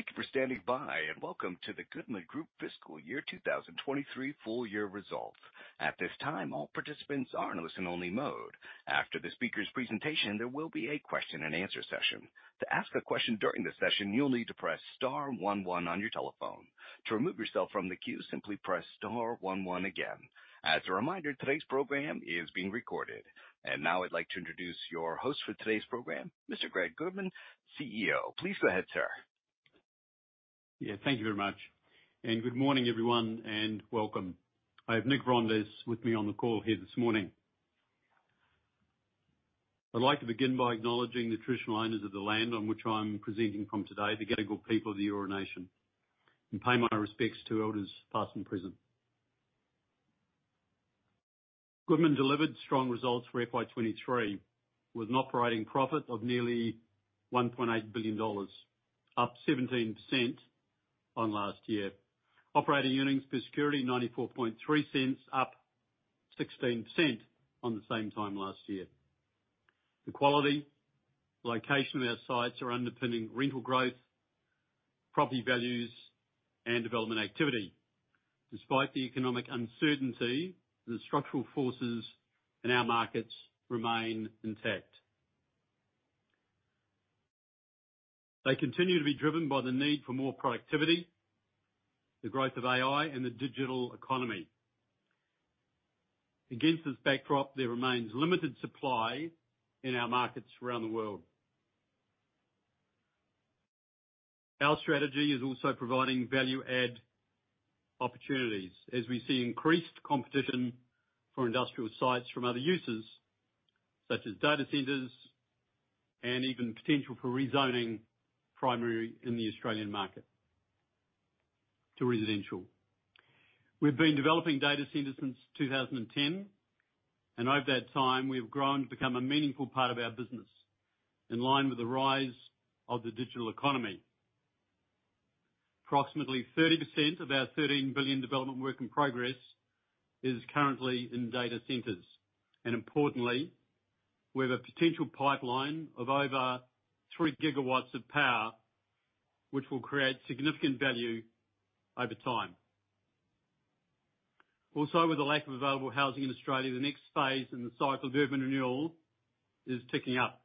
Thank you for standing by, welcome to the Goodman Group Fiscal Year 2023 full year results. At this time, all participants are in listen-only mode. After the speaker's presentation, there will be a question and answer session. To ask a question during the session, you'll need to press star one one on your telephone. To remove yourself from the queue, simply press star one one again. As a reminder, today's program is being recorded. Now I'd like to introduce your host for today's program, Mr. Greg Goodman, CEO. Please go ahead, sir. Yeah, thank you very much, and good morning, everyone, and welcome. I have Nick Vrondas with me on the call here this morning. I'd like to begin by acknowledging the traditional owners of the land on which I'm presenting from today, the Gadigal people of the Eora Nation, and pay my respects to elders past and present. Goodman delivered strong results for FY 2023, with an operating profit of nearly 1.8 billion dollars, up 17% on last year. Operating earnings per security, 0.943, up 16% on the same time last year. The quality, location of our sites are underpinning rental growth, property values, and development activity. Despite the economic uncertainty, the structural forces in our markets remain intact. They continue to be driven by the need for more productivity, the growth of AI, and the digital economy. Against this backdrop, there remains limited supply in our markets around the world. Our strategy is also providing value-add opportunities as we see increased competition for industrial sites from other users, such as data centers, and even potential for rezoning, primarily in the Australian market, to residential. We've been developing data centers since 2010, and over that time, we've grown to become a meaningful part of our business in line with the rise of the digital economy. Approximately 30% of our 13 billion development work in progress is currently in data centers. Importantly, we have a potential pipeline of over 3 GW of power, which will create significant value over time. Also, with the lack of available housing in Australia, the next phase in the cycle of urban renewal is ticking up,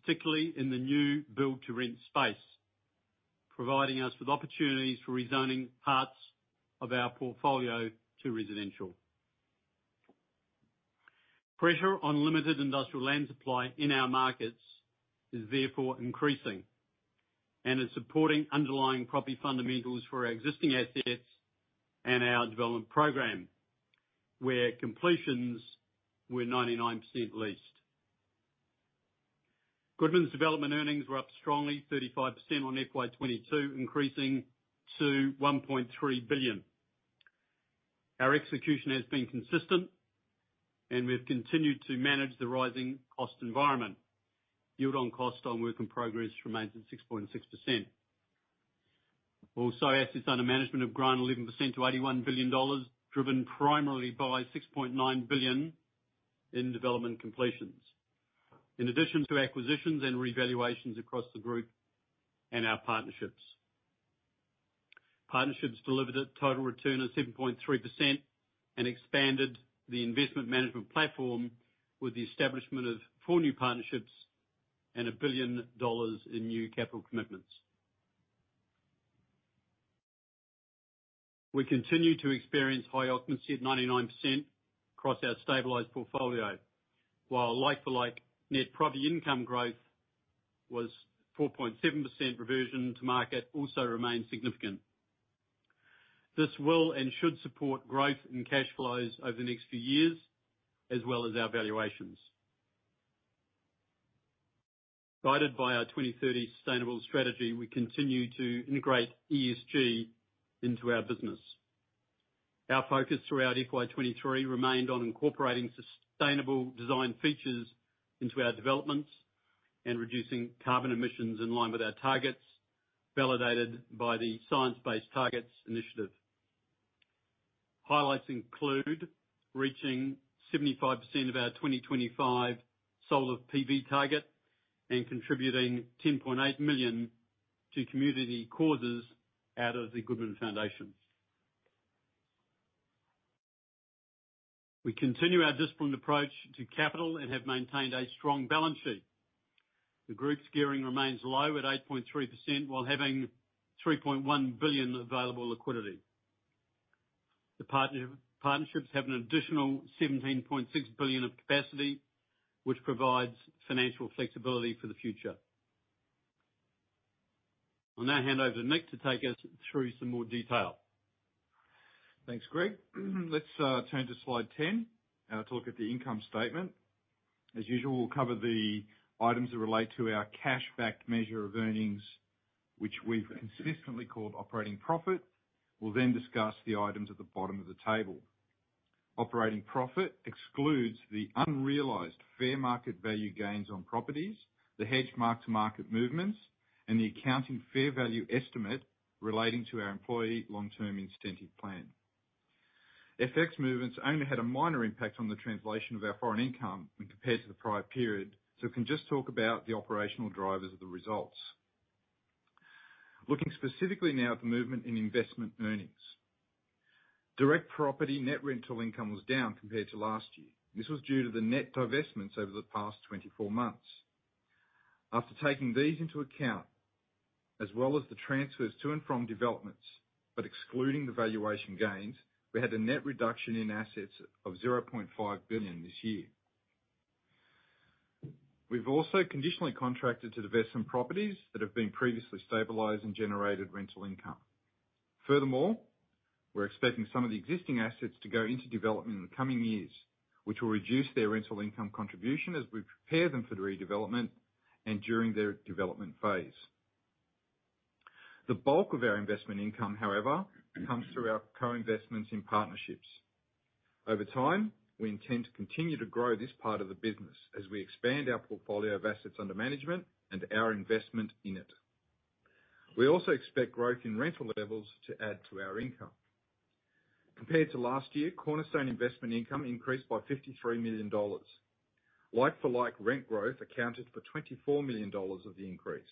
particularly in the new build-to-rent space, providing us with opportunities for rezoning parts of our portfolio to residential. Pressure on limited industrial land supply in our markets is therefore increasing and is supporting underlying property fundamentals for our existing assets and our development program, where completions were 99% leased. Goodman's development earnings were up strongly, 35% on FY 2022, increasing to $1.3 billion. Our execution has been consistent, and we've continued to manage the rising cost environment. Yield on cost on work in progress remains at 6.6%. Also, assets under management have grown 11% to $81 billion, driven primarily by $6.9 billion in development completions. In addition to acquisitions and revaluations across the group and our partnerships. Partnerships delivered a total return of 7.3% and expanded the investment management platform with the establishment of four new partnerships and 1 billion dollars in new capital commitments. We continue to experience high occupancy of 99% across our stabilized portfolio. While like-for-like net property income growth was 4.7%, reversion to market also remains significant. This will and should support growth in cash flows over the next few years, as well as our valuations. Guided by our 2030 sustainable strategy, we continue to integrate ESG into our business. Our focus throughout FY 2023 remained on incorporating sustainable design features into our developments and reducing carbon emissions in line with our targets, validated by the Science Based Targets initiative. Highlights include reaching 75% of our 2025 solar PV target and contributing 10.8 million to community causes out of The Goodman Foundation. We continue our disciplined approach to capital and have maintained a strong balance sheet. The group's gearing remains low at 8.3%, while having 3.1 billion available liquidity. The partnerships have an additional 17.6 billion of capacity, which provides financial flexibility for the future. I'll now hand over to Nick to take us through some more detail. Thanks, Greg. Let's turn to slide 10 and talk at the income statement. As usual, we'll cover the items that relate to our cash-backed measure of earnings, which we've consistently called operating profit. We'll discuss the items at the bottom of the table. Operating profit excludes the unrealized fair market value gains on properties, the hedge mark-to-market movements, and the accounting fair value estimate relating to our employee long-term incentive plan. FX movements only had a minor impact on the translation of our foreign income when compared to the prior period, we can just talk about the operational drivers of the results. Looking specifically now at the movement in investment earnings. Direct property net rental income was down compared to last year. This was due to the net divestments over the past 24 months. After taking these into account, as well as the transfers to and from developments, but excluding the valuation gains, we had a net reduction in assets of 0.5 billion this year. We've also conditionally contracted to divest some properties that have been previously stabilized and generated rental income. Furthermore, we're expecting some of the existing assets to go into development in the coming years, which will reduce their rental income contribution as we prepare them for the redevelopment and during their development phase. The bulk of our investment income, however, comes through our co-investments in partnerships. Over time, we intend to continue to grow this part of the business as we expand our portfolio of assets under management and our investment in it. We also expect growth in rental levels to add to our income. Compared to last year, Cornerstone investment income increased by 53 million dollars. Like-for-like rent growth accounted for 24 million dollars of the increase,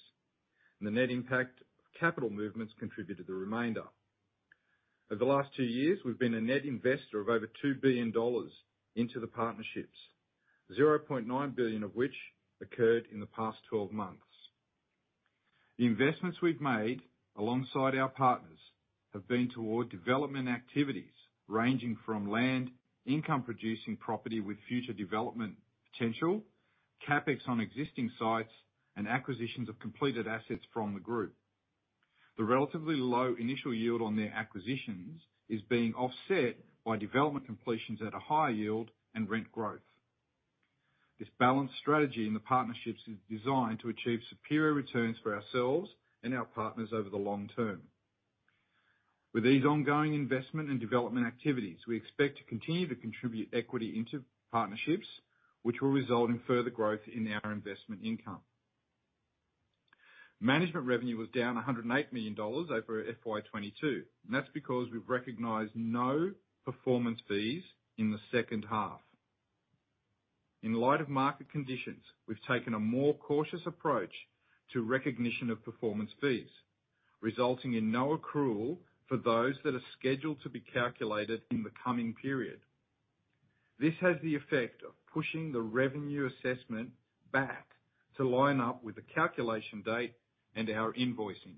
and the net impact of capital movements contributed the remainder. Over the last two years, we've been a net investor of over 2 billion dollars into the partnerships, 0.9 billion of which occurred in the past 12 months. The investments we've made alongside our partners have been toward development activities ranging from land, income-producing property with future development potential, CapEx on existing sites, and acquisitions of completed assets from the group. The relatively low initial yield on their acquisitions is being offset by development completions at a higher yield and rent growth. This balanced strategy in the partnerships is designed to achieve superior returns for ourselves and our partners over the long term. With these ongoing investment and development activities, we expect to continue to contribute equity into partnerships, which will result in further growth in our investment income. Management revenue was down 108 million dollars over FY 2022, and that's because we've recognized no performance fees in the second half. In light of market conditions, we've taken a more cautious approach to recognition of performance fees, resulting in no accrual for those that are scheduled to be calculated in the coming period. This has the effect of pushing the revenue assessment back to line up with the calculation date and our invoicing.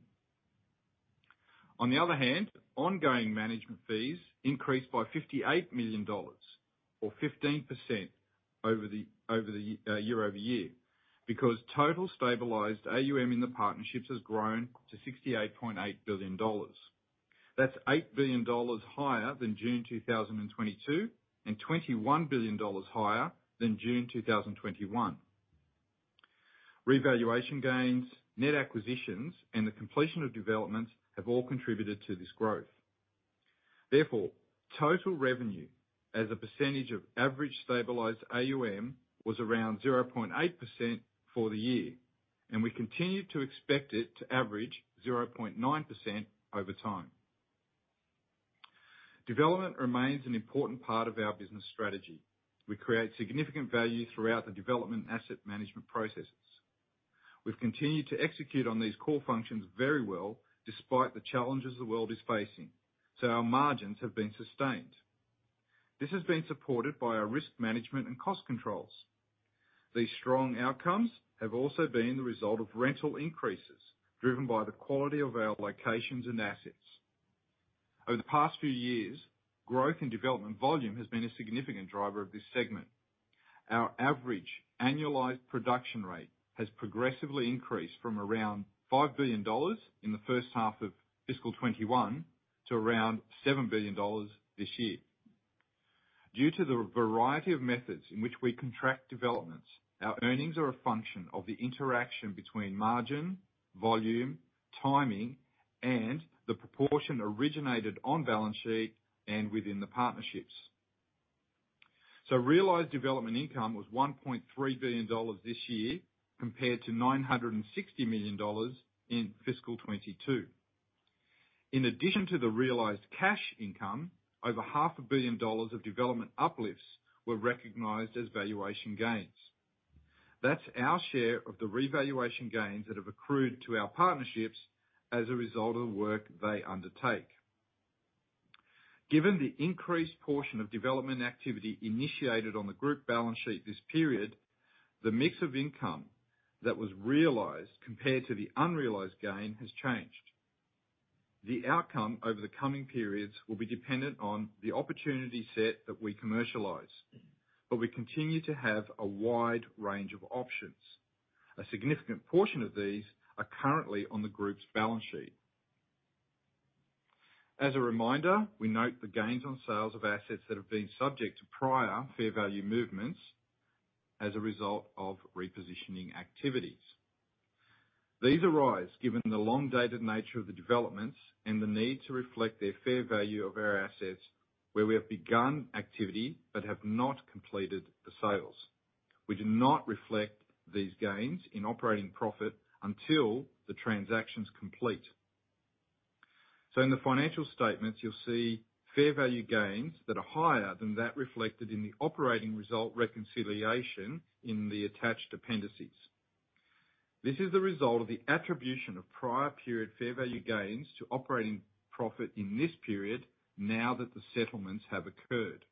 On the other hand, ongoing management fees increased by 58 million dollars or 15% over the, over the year-over-year, because total stabilized AUM in the partnerships has grown to 68.8 billion dollars. That's 8 billion dollars higher than June 2022, and 21 billion dollars higher than June 2021. Revaluation gains, net acquisitions, and the completion of developments have all contributed to this growth. Therefore, total revenue as a percentage of average stabilized AUM was around 0.8% for the year, and we continue to expect it to average 0.9% over time. Development remains an important part of our business strategy. We create significant value throughout the development asset management processes. We've continued to execute on these core functions very well, despite the challenges the world is facing, so our margins have been sustained. This has been supported by our risk management and cost controls. These strong outcomes have also been the result of rental increases, driven by the quality of our locations and assets. Over the past few years, growth in development volume has been a significant driver of this segment. Our average annualized production rate has progressively increased from around 5 billion dollars in the first half of FY 2021 to around 7 billion dollars this year. Due to the variety of methods in which we contract developments, our earnings are a function of the interaction between margin, volume, timing, and the proportion originated on balance sheet and within the partnerships. Realized development income was 1.3 billion dollars this year, compared to 960 million dollars in FY 2022. In addition to the realized cash income, over 500 million dollars of development uplifts were recognized as valuation gains. That's our share of the revaluation gains that have accrued to our partnerships as a result of the work they undertake. Given the increased portion of development activity initiated on the group balance sheet this period, the mix of income that was realized compared to the unrealized gain, has changed. The outcome over the coming periods will be dependent on the opportunity set that we commercialize. We continue to have a wide range of options. A significant portion of these are currently on the group's balance sheet. As a reminder, we note the gains on sales of assets that have been subject to prior fair value movements as a result of repositioning activities. These arise given the long-dated nature of the developments and the need to reflect their fair value of our assets, where we have begun activity but have not completed the sales. We do not reflect these gains in operating profit until the transaction's complete. In the financial statements, you'll see fair value gains that are higher than that reflected in the operating result reconciliation in the attached appendices. This is the result of the attribution of prior period fair value gains to operating profit in this period, now that the settlements have occurred.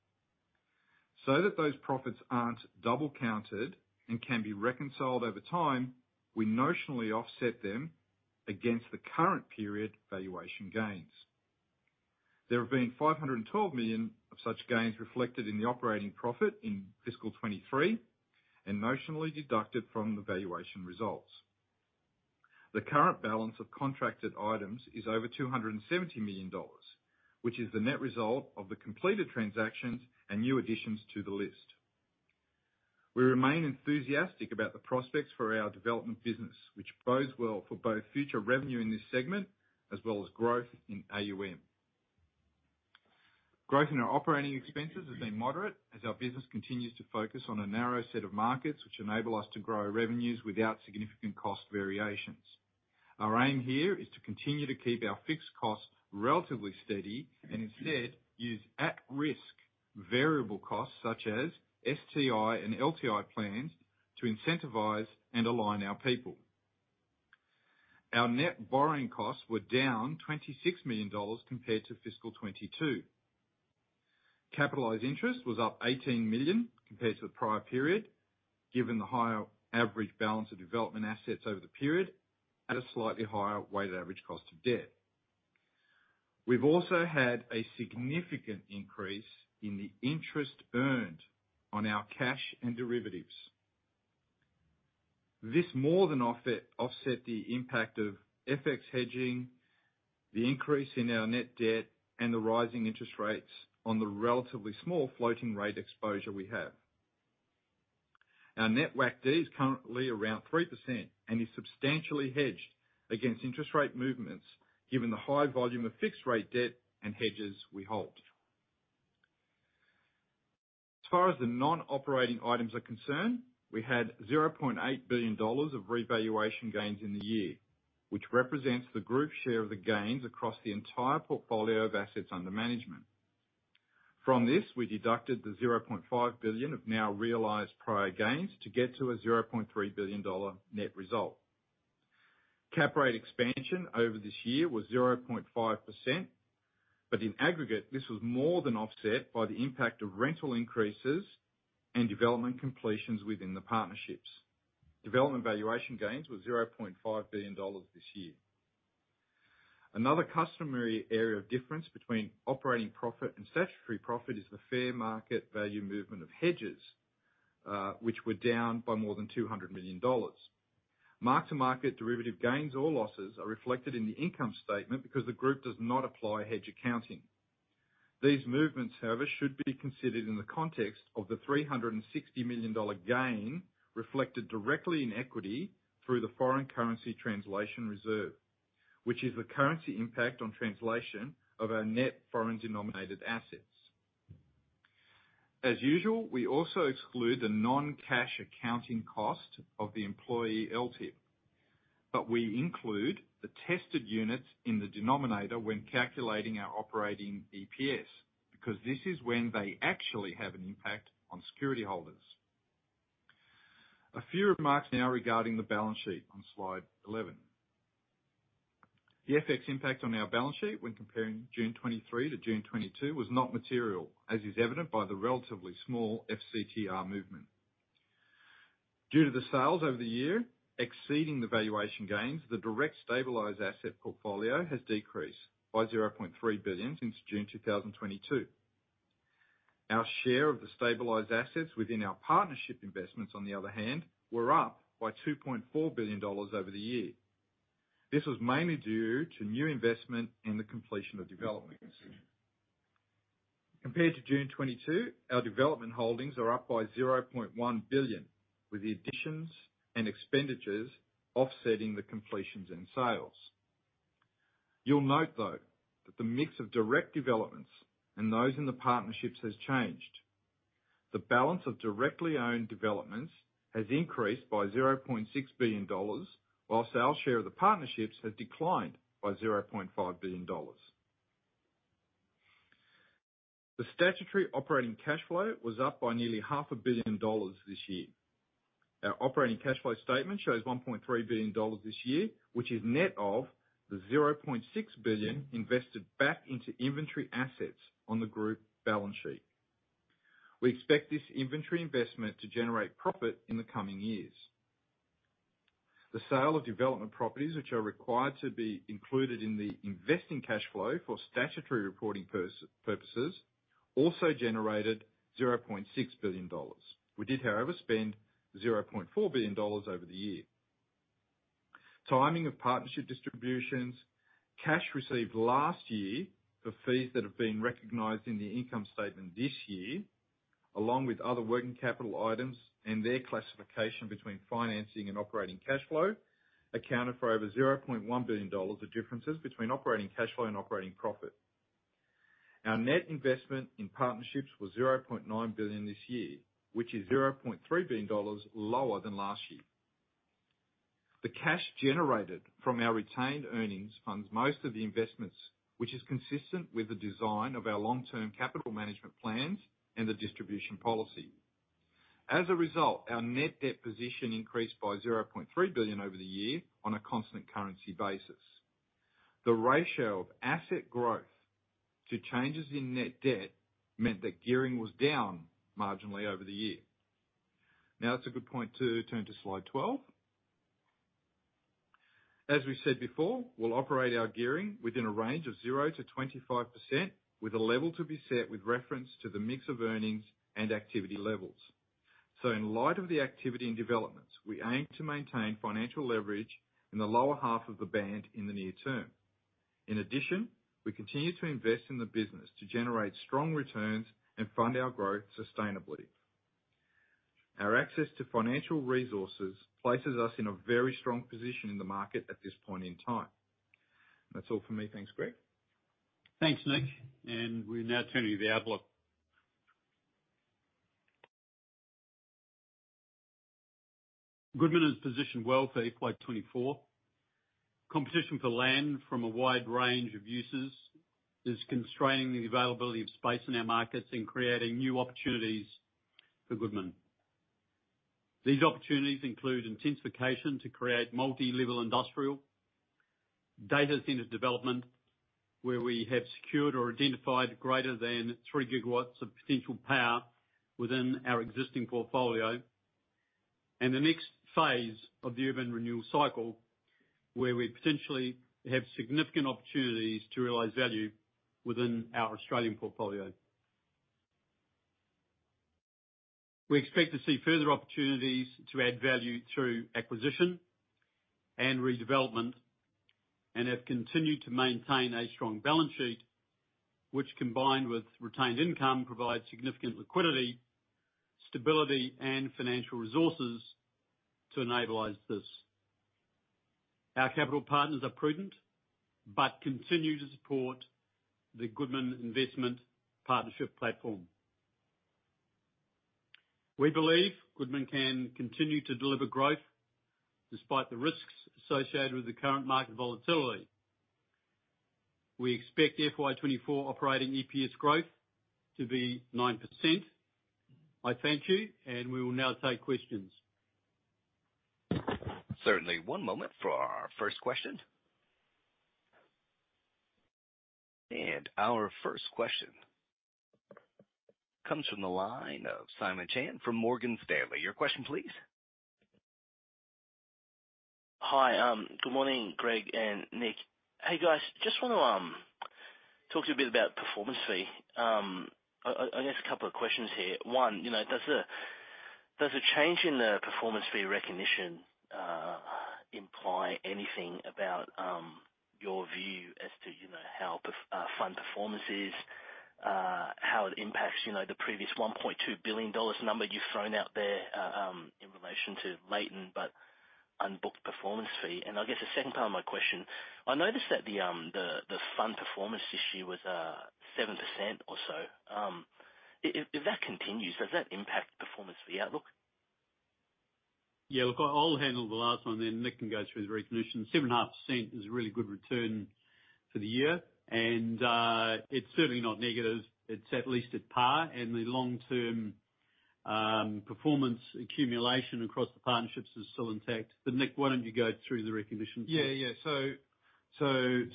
That those profits aren't double counted and can be reconciled over time, we notionally offset them against the current period valuation gains. There have been 512 million of such gains reflected in the operating profit in fiscal '23, and notionally deducted from the valuation results. The current balance of contracted items is over 270 million dollars, which is the net result of the completed transactions and new additions to the list. We remain enthusiastic about the prospects for our development business, which bodes well for both future revenue in this segment, as well as growth in AUM. Growth in our operating expenses has been moderate as our business continues to focus on a narrow set of markets, which enable us to grow revenues without significant cost variations. Our aim here is to continue to keep our fixed costs relatively steady and instead use at-risk variable costs, such as STI and LTI plans, to incentivize and align our people. Our net borrowing costs were down 26 million dollars compared to FY 2022. Capitalized interest was up 18 million compared to the prior period, given the higher average balance of development assets over the period, at a slightly higher weighted average cost of debt. We've also had a significant increase in the interest earned on our cash and derivatives. This more than offset the impact of FX hedging, the increase in our net debt, and the rising interest rates on the relatively small floating rate exposure we have. Our net WACD is currently around 3% and is substantially hedged against interest rate movements, given the high volume of fixed rate debt and hedges we hold. As far as the non-operating items are concerned, we had $0.8 billion of revaluation gains in the year, which represents the group share of the gains across the entire portfolio of assets under management. From this, we deducted the $0.5 billion of now realized prior gains to get to a $0.3 billion net result. Cap rate expansion over this year was 0.5%. In aggregate, this was more than offset by the impact of rental increases and development completions within the partnerships. Development valuation gains were 0.5 billion dollars this year. Another customary area of difference between operating profit and statutory profit is the fair market value movement of hedges, which were down by more than 200 million dollars. Mark-to-market derivative gains or losses are reflected in the income statement because the group does not apply hedge accounting. These movements, however, should be considered in the context of the 360 million dollar gain reflected directly in equity through the foreign currency translation reserve, which is the currency impact on translation of our net foreign-denominated assets. As usual, we also exclude the non-cash accounting cost of the employee LTIP, but we include the tested units in the denominator when calculating our operating EPS, because this is when they actually have an impact on security holders. A few remarks now regarding the balance sheet on slide 11. The FX impact on our balance sheet when comparing June 2023 to June 2022, was not material, as is evident by the relatively small FCTR movement. Due to the sales over the year exceeding the valuation gains, the direct stabilized asset portfolio has decreased by 0.3 billion since June 2022. Our share of the stabilized assets within our partnership investments, on the other hand, were up by 2.4 billion dollars over the year. This was mainly due to new investment in the completion of developments. Compared to June 2022, our development holdings are up by $0.1 billion, with the additions and expenditures offsetting the completions and sales. You'll note, though, that the mix of direct developments and those in the partnerships has changed. The balance of directly owned developments has increased by $0.6 billion, while sale share of the partnerships has declined by $0.5 billion. The statutory operating cash flow was up by nearly $500 million this year. Our operating cash flow statement shows $1.3 billion this year, which is net of the $0.6 billion invested back into inventory assets on the group balance sheet. We expect this inventory investment to generate profit in the coming years. The sale of development properties, which are required to be included in the investing cash flow for statutory reporting purposes, also generated $0.6 billion. We did, however, spend $0.4 billion over the year. Timing of partnership distributions, cash received last year for fees that have been recognized in the income statement this year, along with other working capital items and their classification between financing and operating cash flow, accounted for over $0.1 billion of differences between operating cash flow and operating profitOur net investment in partnerships was $0.9 billion this year, which is $0.3 billion lower than last year. The cash generated from our retained earnings funds most of the investments, which is consistent with the design of our long-term capital management plans and the distribution policy. As a result, our net debt position increased by 0.3 billion over the year on a constant currency basis. The ratio of asset growth to changes in net debt meant that gearing was down marginally over the year. It's a good point to turn to slide 12. As we said before, we'll operate our gearing within a range of 0 to 25%, with a level to be set with reference to the mix of earnings and activity levels. In light of the activity and developments, we aim to maintain financial leverage in the lower half of the band in the near term. In addition, we continue to invest in the business to generate strong returns and fund our growth sustainably. Our access to financial resources places us in a very strong position in the market at this point in time. That's all for me. Thanks, Greg. Thanks, Nick. We now turn to the outlook. Goodman is positioned well for FY 2024. Competition for land from a wide range of uses is constraining the availability of space in our markets and creating new opportunities for Goodman. These opportunities include intensification to create multi-level industrial, data center development, where we have secured or identified greater than 3 GW of potential power within our existing portfolio, and the next phase of the urban renewal cycle, where we potentially have significant opportunities to realize value within our Australian portfolio. We expect to see further opportunities to add value through acquisition and redevelopment, and have continued to maintain a strong balance sheet, which, combined with retained income, provides significant liquidity, stability, and financial resources to enable this. Our capital partners are prudent, but continue to support the Goodman Investment Partnership platform. We believe Goodman can continue to deliver growth despite the risks associated with the current market volatility. We expect FY 2024 operating EPS growth to be 9%. I thank you. We will now take questions. Certainly. One moment for our first question. Our first question comes from the line of Simon Chan from Morgan Stanley. Your question, please. Hi, good morning, Greg and Nick. Hey, guys, just want to talk to you a bit about performance fee. I guess a couple of questions here. One, you know, does the, does the change in the performance fee recognition imply anything about your view as to, you know, how fund performance is, how it impacts, you know, the previous $1.2 billion number you've thrown out there in relation to latent but unbooked performance fee? I guess the second part of my question: I noticed that the fund performance this year was 7% or so. If that continues, does that impact the performance fee outlook? Yeah, look, I'll handle the last one, then Nick can go through the recognition. 7.5% is a really good return for the year, and it's certainly not negative. It's at least at par, and the long-term performance accumulation across the partnerships is still intact. Nick, why don't you go through the recognition? Yeah, yeah.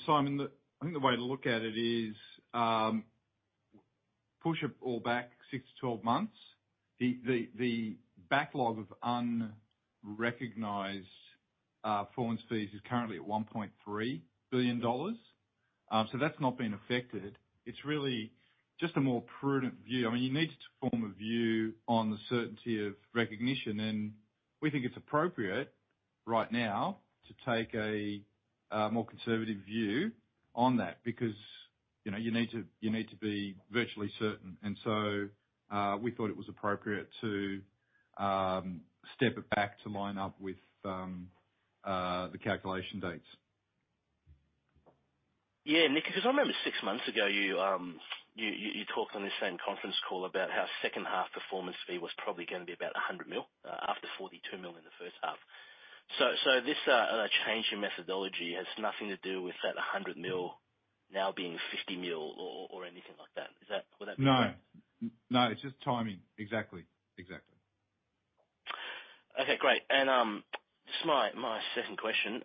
Simon, the- I think the way to look at it is, push it all back 6-12 months. The, the, the backlog of unrecognized performance fees is currently at 1.3 billion dollars. That's not been affected. It's really just a more prudent view. I mean, you needed to form a view on the certainty of recognition, and we think it's appropriate right now to take a more conservative view on that, because, you know, you need to, you need to be virtually certain. We thought it was appropriate to step it back to line up with the calculation dates. Yeah, Nick, because I remember 6 months ago, you, you, you talked on this same conference call about how second half performance fee was probably going to be about 100 million after 42 million in the first half. This change in methodology has nothing to do with that 100 million now being 50 million or, or anything like that. Is that, would that be- No. No, it's just timing. Exactly. Exactly. Okay, great. Just my, my second question.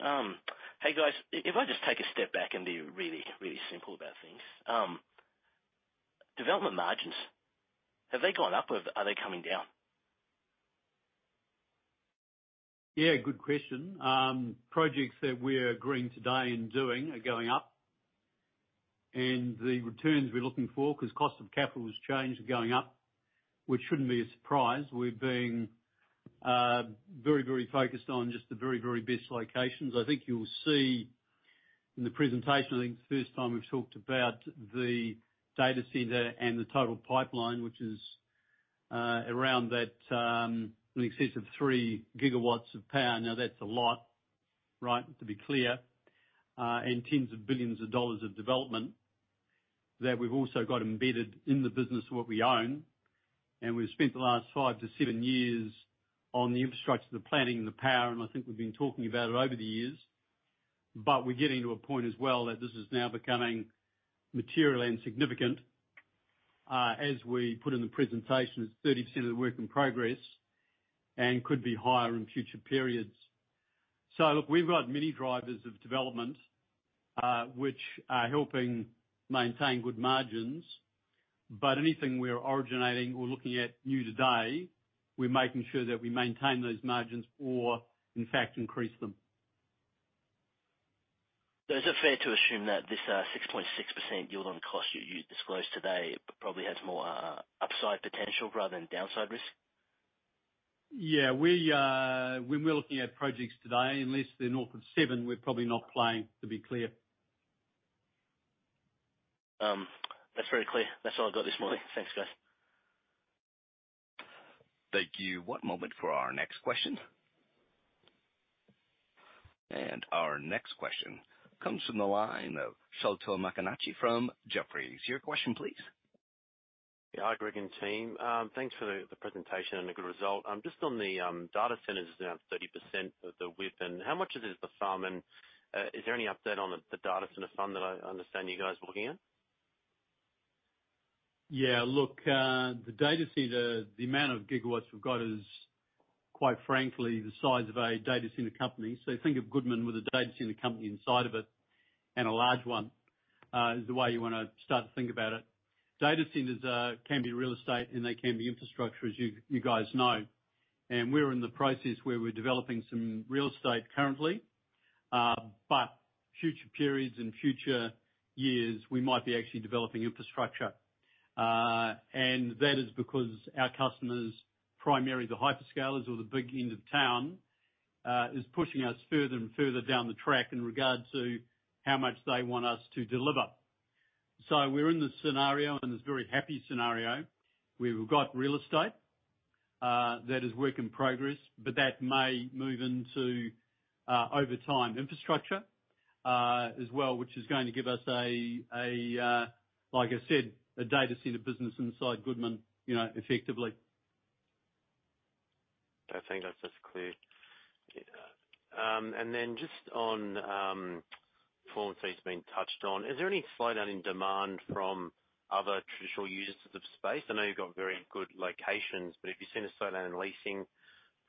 Hey, guys, if I just take a step back and be really, really simple about things, development margins, have they gone up, or are they coming down? Yeah, good question. Projects that we're agreeing today and doing are going up, and the returns we're looking for, because cost of capital has changed, are going up, which shouldn't be a surprise. We're being very, very focused on just the very, very best locations. I think you'll see in the presentation, I think it's the first time we've talked about the data center and the total pipeline, which is around that, in excess of 3 GW of power. Now, that's a lot.... Right, to be clear, tens of billions of dollars of development that we've also got embedded in the business of what we own. We've spent the last five to seven years on the infrastructure, the planning, and the power, and I think we've been talking about it over the years. We're getting to a point as well, that this is now becoming material and significant. As we put in the presentation, it's 30% of the work in progress and could be higher in future periods. Look, we've got many drivers of development, which are helping maintain good margins. Anything we're originating or looking at new today, we're making sure that we maintain those margins or in fact, increase them. Is it fair to assume that this, 6.6% yield on cost you disclosed today, probably has more upside potential rather than downside risk? Yeah, we, when we're looking at projects today, unless they're north of 7, we're probably not playing, to be clear. That's very clear. That's all I've got this morning. Thanks, guys. Thank you. One moment for our next question. Our next question comes from the line of Sholto Maconochie from Jefferies. Your question, please. Yeah. Hi, Greg and team. Thanks for the presentation and the good result. Just on the data centers is now 30% of the WIP, and how much of this is the farm? Is there any update on the data center farm that I understand you guys are looking at? Yeah, look, the data center, the amount of gigawatts we've got is, quite frankly, the size of a data center company. Think of Goodman with a data center company inside of it, and a large one, is the way you want to start to think about it. Data centers, can be real estate, and they can be infrastructure, as you, you guys know, and we're in the process where we're developing some real estate currently. Future periods and future years, we might be actually developing infrastructure. That is because our customers, primarily the hyperscalers or the big end of town, is pushing us further and further down the track in regards to how much they want us to deliver. We're in this scenario, and this very happy scenario, where we've got real estate, that is work in progress, but that may move into, over time, infrastructure, as well, which is going to give us a, a, like I said, a data center business inside Goodman, you know, effectively. I think that's just clear. Yeah. Then just on, full fee's been touched on, is there any slowdown in demand from other traditional users of space? I know you've got very good locations, but have you seen a slowdown in leasing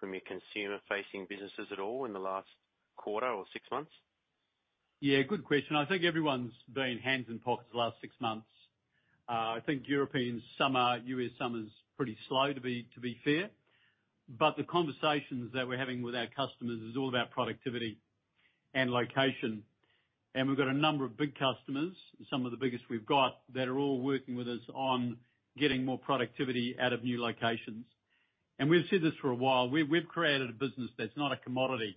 from your consumer-facing businesses at all in the last quarter or 6 months? Yeah, good question. I think everyone's been hands in pockets the last six months. I think European summer, US summer's pretty slow, to be, to be fair. The conversations that we're having with our customers is all about productivity and location. We've got a number of big customers, some of the biggest we've got, that are all working with us on getting more productivity out of new locations. We've said this for a while. We've, we've created a business that's not a commodity.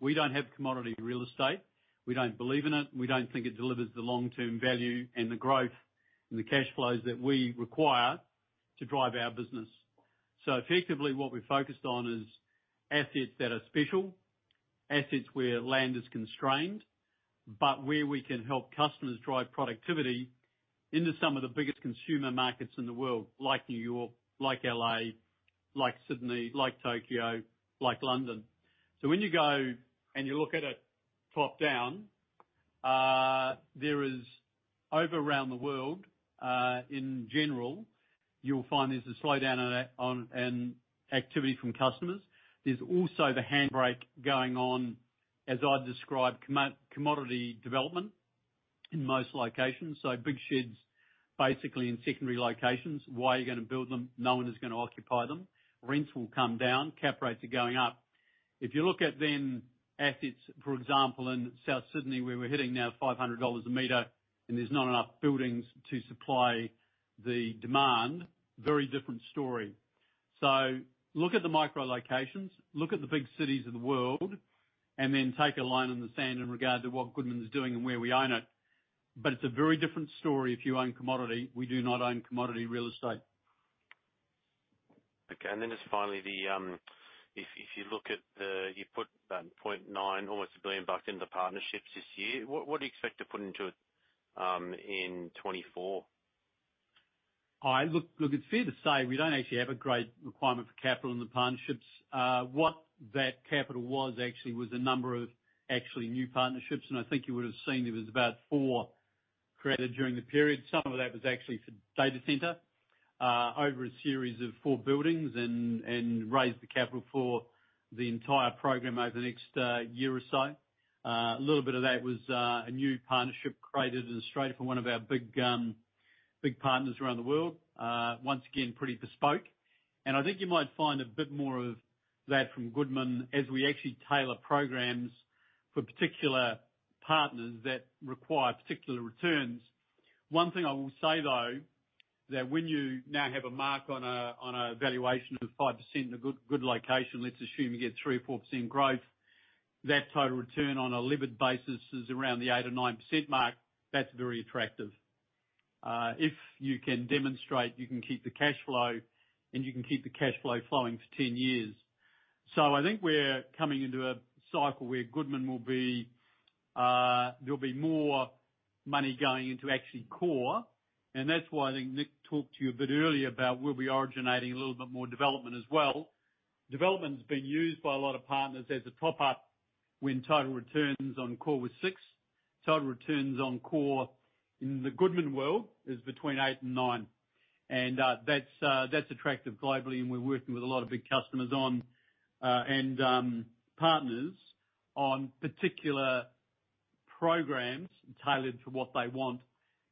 We don't have commodity real estate. We don't believe in it, and we don't think it delivers the long-term value and the growth and the cash flows that we require to drive our business. Effectively, what we're focused on is assets that are special, assets where land is constrained, but where we can help customers drive productivity into some of the biggest consumer markets in the world, like New York, like L.A., like Sydney, like Tokyo, like London. When you go and you look at it top-down, there is over around the world, in general, you'll find there's a slowdown on, on, on activity from customers. There's also the handbrake going on, as I've described, commodity development in most locations. Big sheds, basically in secondary locations. Why are you going to build them? No one is going to occupy them. Rents will come down, cap rates are going up. If you look at then assets, for example, in South Sydney, where we're hitting now $500 a meter, and there's not enough buildings to supply the demand, very different story. Look at the micro locations, look at the big cities of the world, and then take a line in the sand in regard to what Goodman is doing and where we own it. It's a very different story if you own commodity. We do not own commodity real estate. Okay, then just finally, You put 0.9, almost 1 billion bucks into the partnerships this year. What do you expect to put into it in 2024? All right. Look, look, it's fair to say we don't actually have a great requirement for capital in the partnerships. What that capital was actually, was a number of actually new partnerships, and I think you would have seen there was about 4 created during the period. Some of that was actually for data center, over a series of 4 buildings and, and raised the capital for the entire program over the next year or so. A little bit of that was a new partnership created in Australia for one of our big, big partners around the world. Once again, pretty bespoke. I think you might find a bit more of that from Goodman as we actually tailor programs for particular partners that require particular returns. One thing I will say, though, that when you now have a mark on a, on a valuation of 5% in a good, good location, let's assume you get 3% or 4% growth. That total return on a levered basis is around the 8% or 9% mark. That's very attractive. If you can demonstrate, you can keep the cash flow, and you can keep the cash flow flowing for 10 years. I think we're coming into a cycle where Goodman will be, there'll be more money going into actually core. That's why I think Nick talked to you a bit earlier about we'll be originating a little bit more development as well. Development has been used by a lot of partners as a top-up when total returns on core were 6%. Total returns on core in the Goodman world is between 8 and 9, and that's attractive globally, and we're working with a lot of big customers on and partners on particular programs tailored to what they want,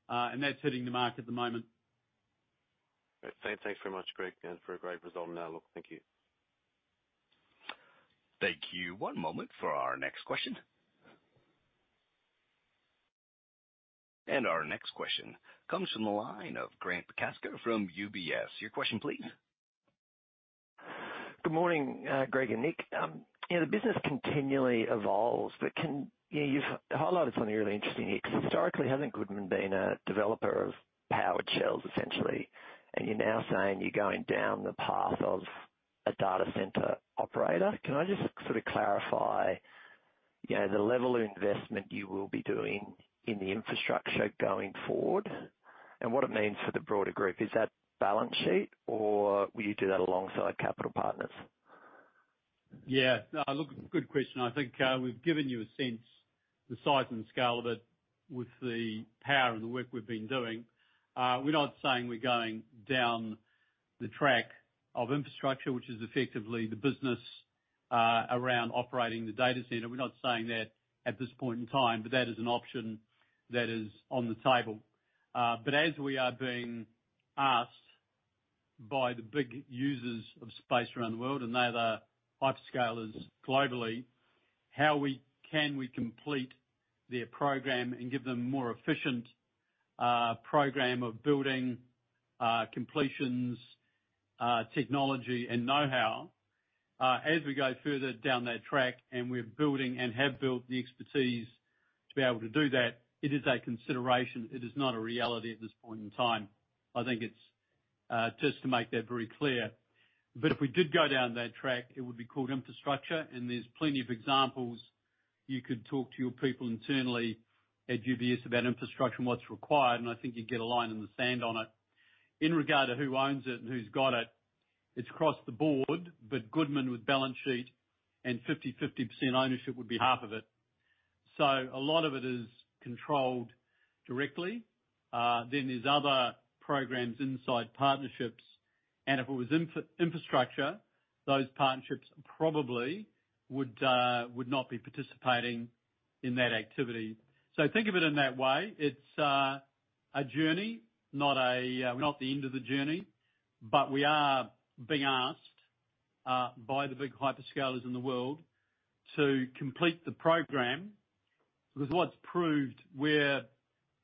and that's hitting the mark at the moment. Great. Thanks, thanks very much, Greg, and for a great result now, look, thank you. Thank you. One moment for our next question. Our next question comes from the line of Grant McCasker from UBS. Your question, please. Good morning, Greg and Nick. You know, the business continually evolves. You've highlighted something really interesting here, because historically, I think Goodman been a developer of powered shells, essentially, and you're now saying you're going down the path of a data center operator. Can I just sort of clarify, you know, the level of investment you will be doing in the infrastructure going forward and what it means for the broader group? Is that balance sheet, or will you do that alongside capital partners? Yeah. No, look, good question. I think we've given you a sense, the size and scale of it, with the power and the work we've been doing. We're not saying we're going down the track of infrastructure, which is effectively the business, around operating the data center. We're not saying that at this point in time, but that is an option that is on the table. As we are being asked by the big users of space around the world, and they are the hyperscalers globally, how can we complete their program and give them more efficient, program of building, completions, technology and know-how? As we go further down that track, and we're building and have built the expertise to be able to do that, it is a consideration. It is not a reality at this point in time. I think it's just to make that very clear. If we did go down that track, it would be called infrastructure, and there's plenty of examples. You could talk to your people internally at UBS about infrastructure and what's required, and I think you'd get a line in the sand on it. In regard to who owns it and who's got it, it's across the board, but Goodman, with balance sheet and 50/50% ownership, would be half of it. A lot of it is controlled directly. Then there's other programs inside partnerships, and if it was infrastructure, those partnerships probably would not be participating in that activity. Think of it in that way. It's a journey, not a, not the end of the journey. We are being asked by the big hyperscalers in the world to complete the program, because what's proved we're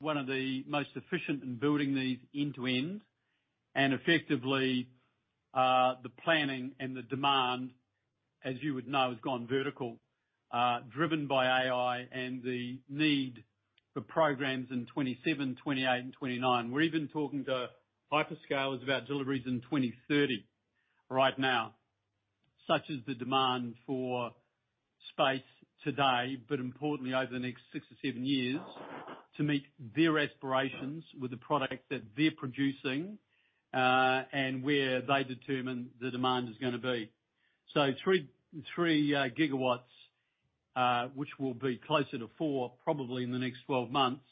one of the most efficient in building these end-to-end, and effectively, the planning and the demand, as you would know, has gone vertical, driven by AI and the need for programs in 2027, 2028, and 2029. We're even talking to hyperscalers about deliveries in 2030 right now, such as the demand for space today. Importantly, over the next 6 or 7 years, to meet their aspirations with the product that they're producing, and where they determine the demand is gonna be. 3, 3 gigawatts, which will be closer to 4, probably in the next 12 months,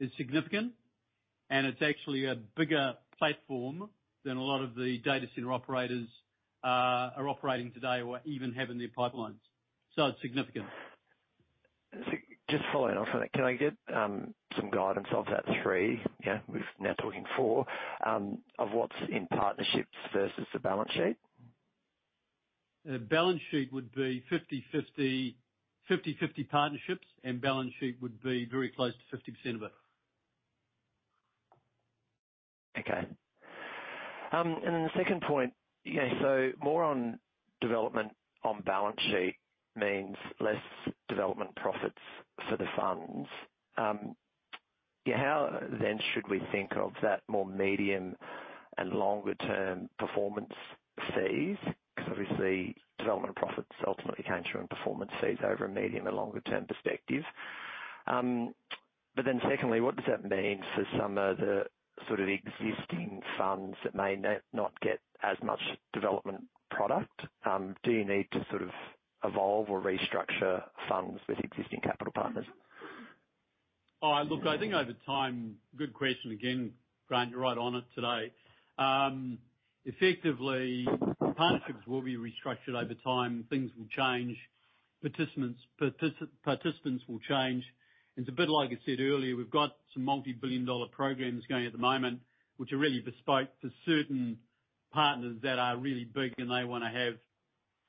is significant, and it's actually a bigger platform than a lot of the data center operators, are operating today or even have in their pipelines. It's significant. Just following up on it, can I get some guidance of that 3? Yeah, we're now talking 4 of what's in partnerships versus the balance sheet. The balance sheet would be 50/50. 50/50 partnerships and balance sheet would be very close to 50% of it. Okay. The second point, so more on development on balance sheet means less development profits for the funds. How then should we think of that more medium and longer term performance fees? Because obviously, development profits ultimately came through on performance fees over a medium and longer term perspective. Secondly, what does that mean for some of the sort of existing funds that may not get as much development product? Do you need to sort of evolve or restructure funds with existing capital partners? Look, I think over time. Good question again, Grant, you're right on it today. Effectively, partnerships will be restructured over time. Things will change. Participants, participants will change. It's a bit like I said earlier, we've got some AUD multi-billion dollar programs going at the moment, which are really bespoke to certain partners that are really big, and they want to have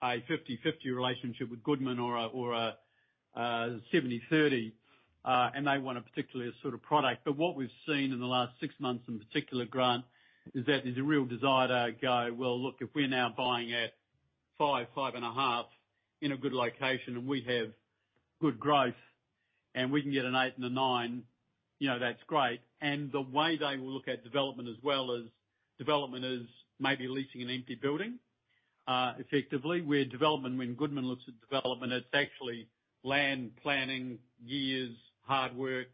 a 50/50 relationship with Goodman or a 70/30, and they want a particularly a sort of product. What we've seen in the last 6 months in particular, Grant, is that there's a real desire to go: "Well, look, if we're now buying at 5, 5.5 in a good location, and we have good growth, and we can get an 8 and a 9, you know, that's great. The way they will look at development as well as development is maybe leasing an empty building. Effectively, where development- when Goodman looks at development, it's actually land planning, years, hard work,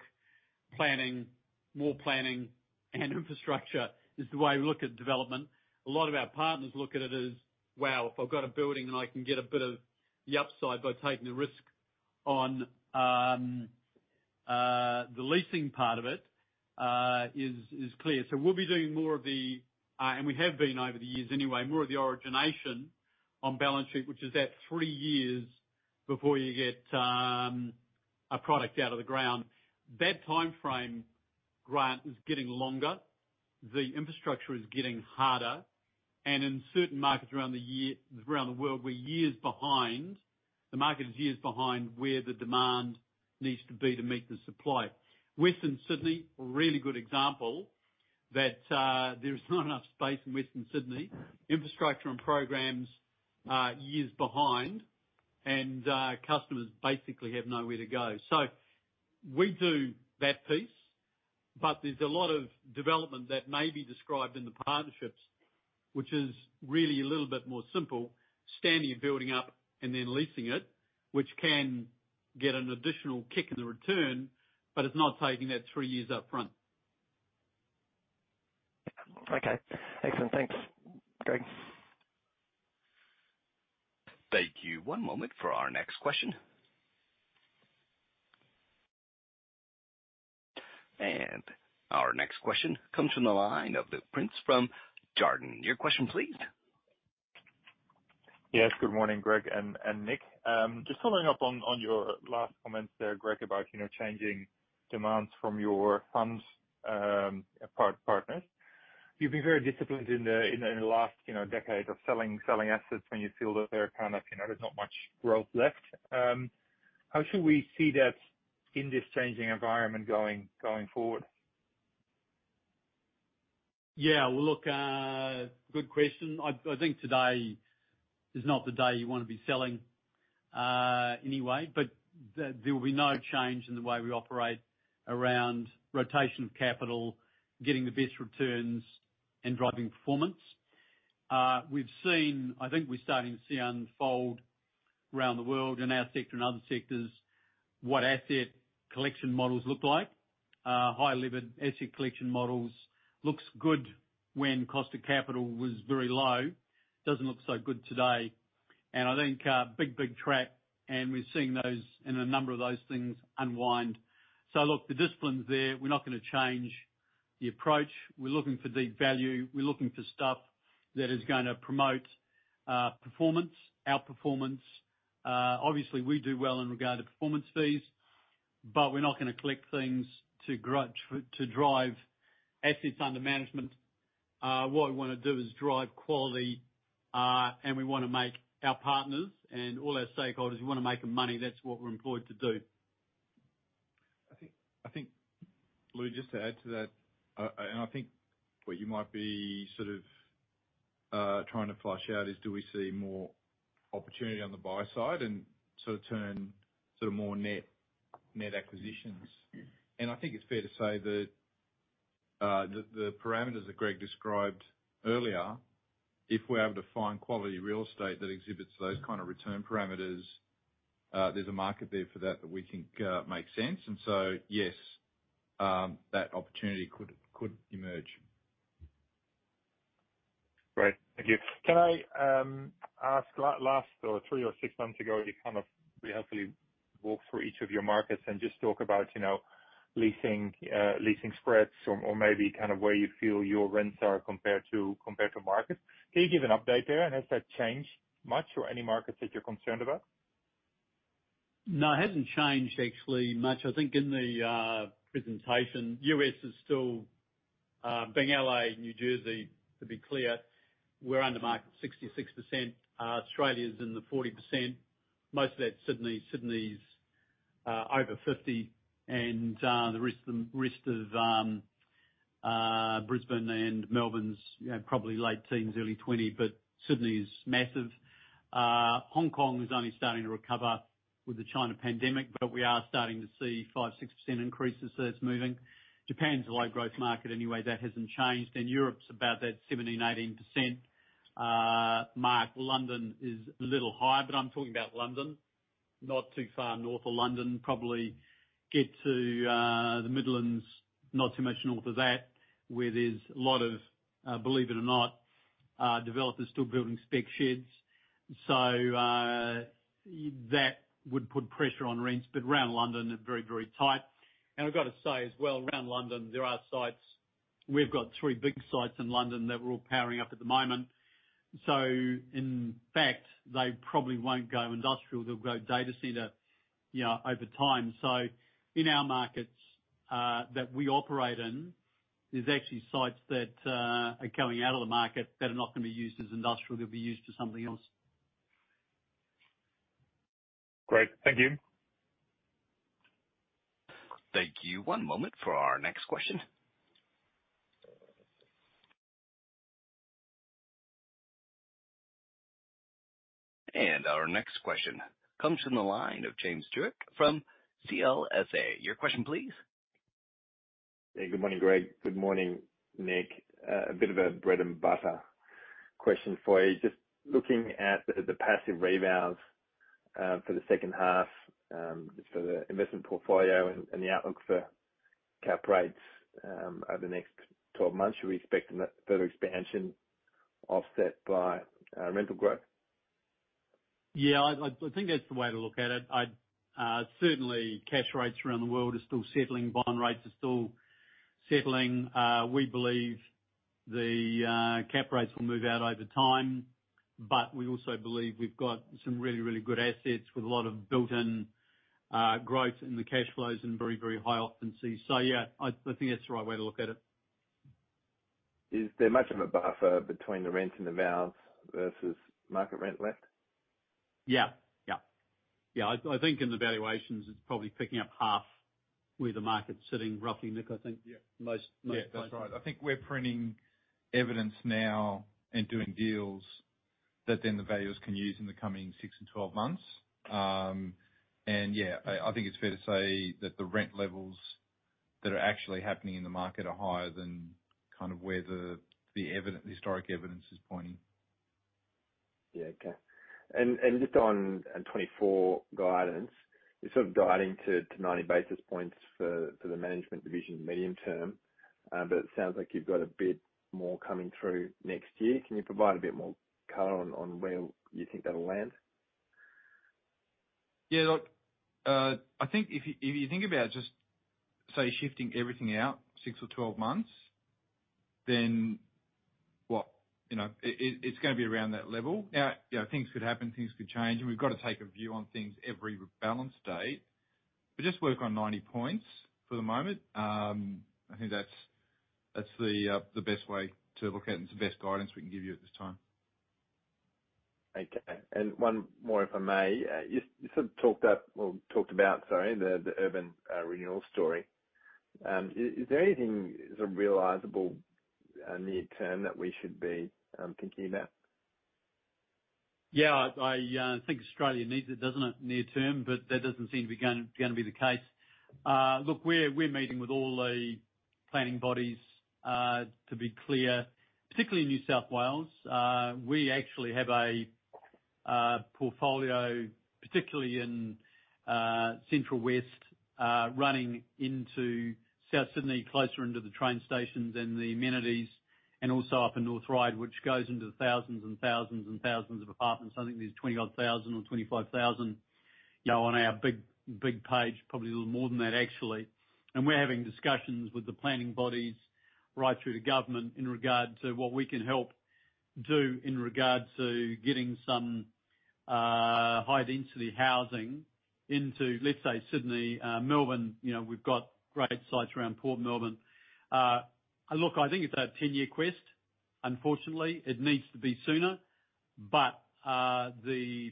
planning, more planning, and infrastructure, is the way we look at development. A lot of our partners look at it as, "Wow, if I've got a building and I can get a bit of the upside by taking the risk on the leasing part of it," is clear. We'll be doing more of the and we have been over the years anyway, more of the origination on balance sheet, which is that three years before you get a product out of the ground. That timeframe, Grant, is getting longer. The infrastructure is getting harder, and in certain markets around the world, we're years behind. The market is years behind where the demand needs to be to meet the supply. Western Sydney, a really good example, that there's not enough space in Western Sydney. Infrastructure and programs are years behind, and customers basically have nowhere to go. We do that piece, there's a lot of development that may be described in the partnerships, which is really a little bit more simple. Standing a building up and then leasing it, which can get an additional kick in the return, it's not taking that three years up front. Okay. Excellent. Thanks, Greg. Thank you. One moment for our next question. Our next question comes from the line of Lou Pirenc from Jarden. Your question, please. Yes, good morning, Greg and Nick. Just following up on your last comments there, Greg, about, you know, changing demands from your funds partners. You've been very disciplined in the last, you know, decade of selling assets when you feel that they're kind of, you know, there's not much growth left. How should we see that in this changing environment going forward? Yeah, well, look, good question. I, I think today is not the day you want to be selling, anyway. There will be no change in the way we operate around rotation of capital, getting the best returns, and driving performance. We've seen... I think we're starting to see unfold around the world, in our sector and other sectors, what asset collection models look like. High levered asset collection models looks good when cost of capital was very low. Doesn't look so good today, and I think, big, big trap, and we're seeing those, in a number of those things, unwind. Look, the discipline's there. We're not gonna change the approach. We're looking for deep value. We're looking for stuff that is gonna promote, performance, our performance. Obviously, we do well in regard to performance fees, but we're not gonna collect things to, to drive assets under management. What we wanna do is drive quality, and we wanna make our partners and all our stakeholders, we wanna make them money. That's what we're employed to do. I think, I think, Lou, just to add to that, and I think what you might be sort of trying to flush out is, do we see more opportunity on the buy side and sort of turn sort of more net, net acquisitions? Yeah. I think it's fair to say that, the, the parameters that Greg described earlier, if we're able to find quality real estate that exhibits those kind of return parameters, there's a market there for that, that we think, makes sense. Yes, that opportunity could, could emerge. Great. Thank you. Can I ask, last or three or six months ago, you kind of briefly walked through each of your markets and just talk about, you know, leasing, leasing spreads or maybe kind of where you feel your rents are compared to market? Can you give an update there? Has that changed much or any markets that you're concerned about? No, it hasn't changed actually much. I think in the presentation, U.S. is still being L.A., New Jersey, to be clear, we're under market 66%. Australia's in the 40%. Most of that's Sydney. Sydney's over 50, and the rest, the rest of Brisbane and Melbourne's, you know, probably late teens, early 20, but Sydney is massive. Hong Kong is only starting to recover with the China pandemic, but we are starting to see 5-6% increases, so it's moving. Japan's a low-growth market anyway, that hasn't changed. Europe's about that 17-18% mark. London is a little higher, but I'm talking about London, not too far north of London. Probably get to, the Midlands, not too much north of that, where there's a lot of, believe it or not, developers still building spec sheds. That would put pressure on rents, but around London, they're very, very tight. I've got to say as well, around London, there are sites. We've got 3 big sites in London that we're all powering up at the moment. In fact, they probably won't go industrial, they'll go data center, you know, over time. In our markets, that we operate in, there's actually sites that are coming out of the market that are not gonna be used as industrial, they'll be used for something else. Great. Thank you. Thank you. One moment for our next question. Our next question comes from the line of James Druce from CLSA. Your question, please? Hey, good morning, Greg. Good morning, Nick. A bit of a bread-and-butter question for you. Just looking at the passive rebounds, for the second half, just for the investment portfolio and the outlook for cap rates, over the next 12 months, are we expecting that further expansion offset by rental growth? Yeah, I, I, I think that's the way to look at it. I'd, certainly, cash rates around the world are still settling. Bond rates are still settling. We believe the cap rates will move out over time, we also believe we've got some really, really good assets with a lot of built-in growth in the cash flows and very, very high occupancies. Yeah, I, I think that's the right way to look at it. Is there much of a buffer between the rent and the values versus market rent left? Yeah. Yeah. Yeah, I, I think in the valuations, it's probably picking up half where the market's sitting, roughly, Nick, I think. Yeah. Most Yeah, that's right. I think we're printing evidence now and doing deals that then the valuers can use in the coming 6-12 months. Yeah, I, I think it's fair to say that the rent levels that are actually happening in the market are higher than kind of where the historic evidence is pointing. Yeah. Okay. And just on 2024 guidance, you're sort of guiding to 90 basis points for the management division medium term. It sounds like you've got a bit more coming through next year. Can you provide a bit more color on where you think that'll land? Yeah, look, I think if you, if you think about just, say, shifting everything out 6 or 12 months, then what? You know, it, it, it's gonna be around that level. Now, you know, things could happen, things could change, and we've got to take a view on things every rebalance date. Just work on 90 points for the moment. I think that's, that's the best way to look at it. It's the best guidance we can give you at this time. Okay. One more, if I may. you, you sort of talked up, well, talked about, sorry, the, the urban, renewal story. is, is there anything sort of realizable, near term that we should be, thinking about? Yeah, I, I think Australia needs it, doesn't it, near term? That doesn't seem to be going, gonna be the case. Look, we're, we're meeting with all the planning bodies. To be clear, particularly in New South Wales, we actually have a portfolio, particularly in Central West, running into South Sydney, closer into the train stations and the amenities, and also up in North Ryde, which goes into thousands and thousands and thousands of apartments. I think there's 20-odd thousand or 25,000, you know, on our big, big page. Probably a little more than that, actually. We're having discussions with the planning bodies right through the government in regard to what we can help do in regards to getting some high-density housing into, let's say, Sydney, Melbourne. You know, we've got great sites around Port Melbourne. Look, I think it's a 10-year quest. Unfortunately, it needs to be sooner, but the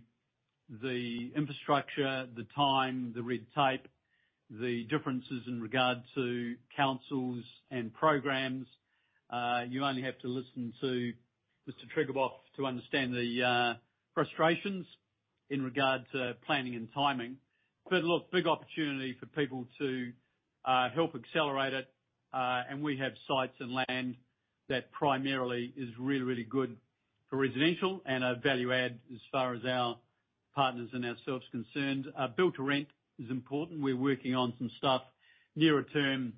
infrastructure, the time, the red tape, the differences in regard to councils and programs, you only have to listen to Mr. Triguboff to understand the frustrations in regard to planning and timing. Look, big opportunity for people to help accelerate it. We have sites and land that primarily is really, really good for residential and a value add as far as our partners and ourselves concerned. Build-to-rent is important. We're working on some stuff nearer term.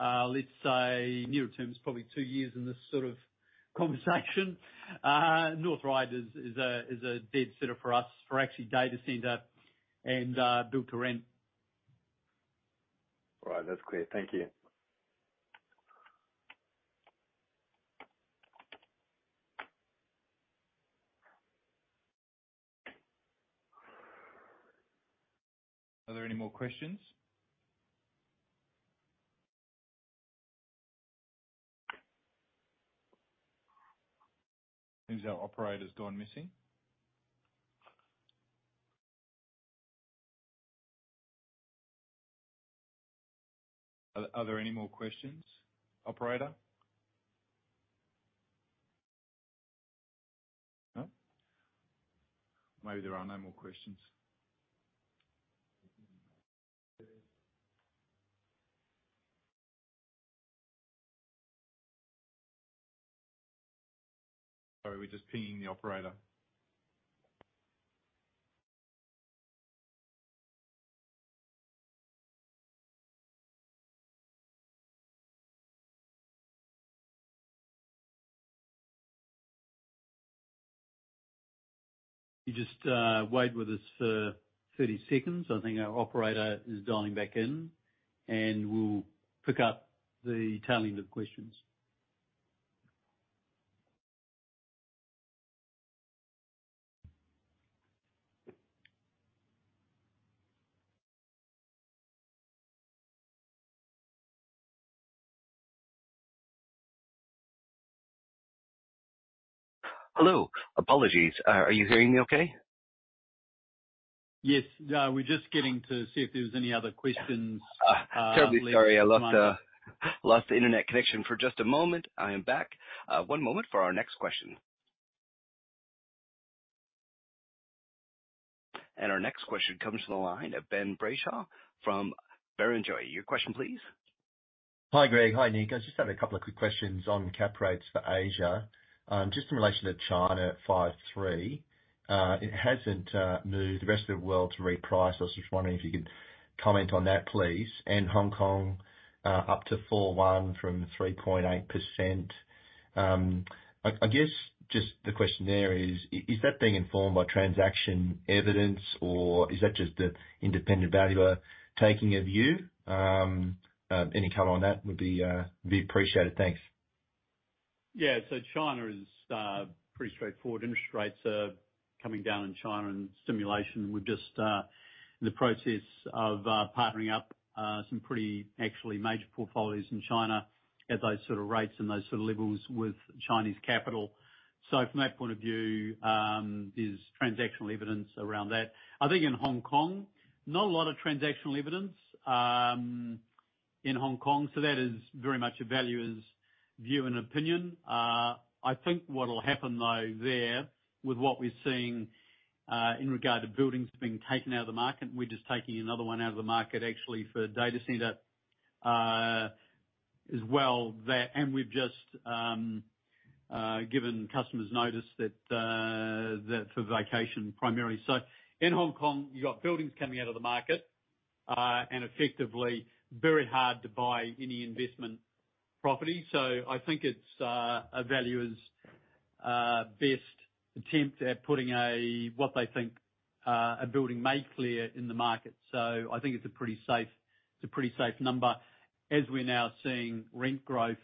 Let's say nearer term is probably two years in this sort of conversation. North Ryde is a dead center for us, for actually data center and build-to-rent. All right. That's clear. Thank you. Are there any more questions? It seems our operator's gone missing. Are, are there any more questions, operator? No? Maybe there are no more questions. Sorry, we're just pinging the operator. You just wait with us for 30 seconds. I think our operator is dialing back in, and we'll pick up the tail end of the questions. Hello. Apologies. Are you hearing me okay? Yes, we're just getting to see if there's any other questions. Terribly sorry. I lost, lost the internet connection for just a moment. I am back. One moment for our next question. Our next question comes from the line of Ben Brayshaw from Barrenjoey. Your question please. Hi, Greg. Hi, Nick. I just have a couple of quick questions on cap rates for Asia. Just in relation to China, 5.3%. It hasn't moved the rest of the world to reprice. I was just wondering if you could comment on that, please. Hong Kong, up to 4.1% from 3.8%. I, I guess just the question there is, is that being informed by transaction evidence, or is that just the independent valuer taking a view? Any color on that would be appreciated. Thanks. Yeah, China is pretty straightforward. Interest rates are coming down in China and simulation. We're just in the process of partnering up some pretty actually major portfolios in China at those sort of rates and those sort of levels with Chinese capital. From that point of view, there's transactional evidence around that. I think in Hong Kong, not a lot of transactional evidence, in Hong Kong, so that is very much a valuer's view and opinion. I think what'll happen, though, there, with what we're seeing, in regard to buildings being taken out of the market, and we're just taking another one out of the market actually for a data center as well. We've just given customers notice that that's for vacation primarily. In Hong Kong, you've got buildings coming out of the market, and effectively very hard to buy any investment property. I think it's a valuer's best attempt at putting a, what they think, a building may clear in the market. I think it's a pretty safe, it's a pretty safe number as we're now seeing rent growth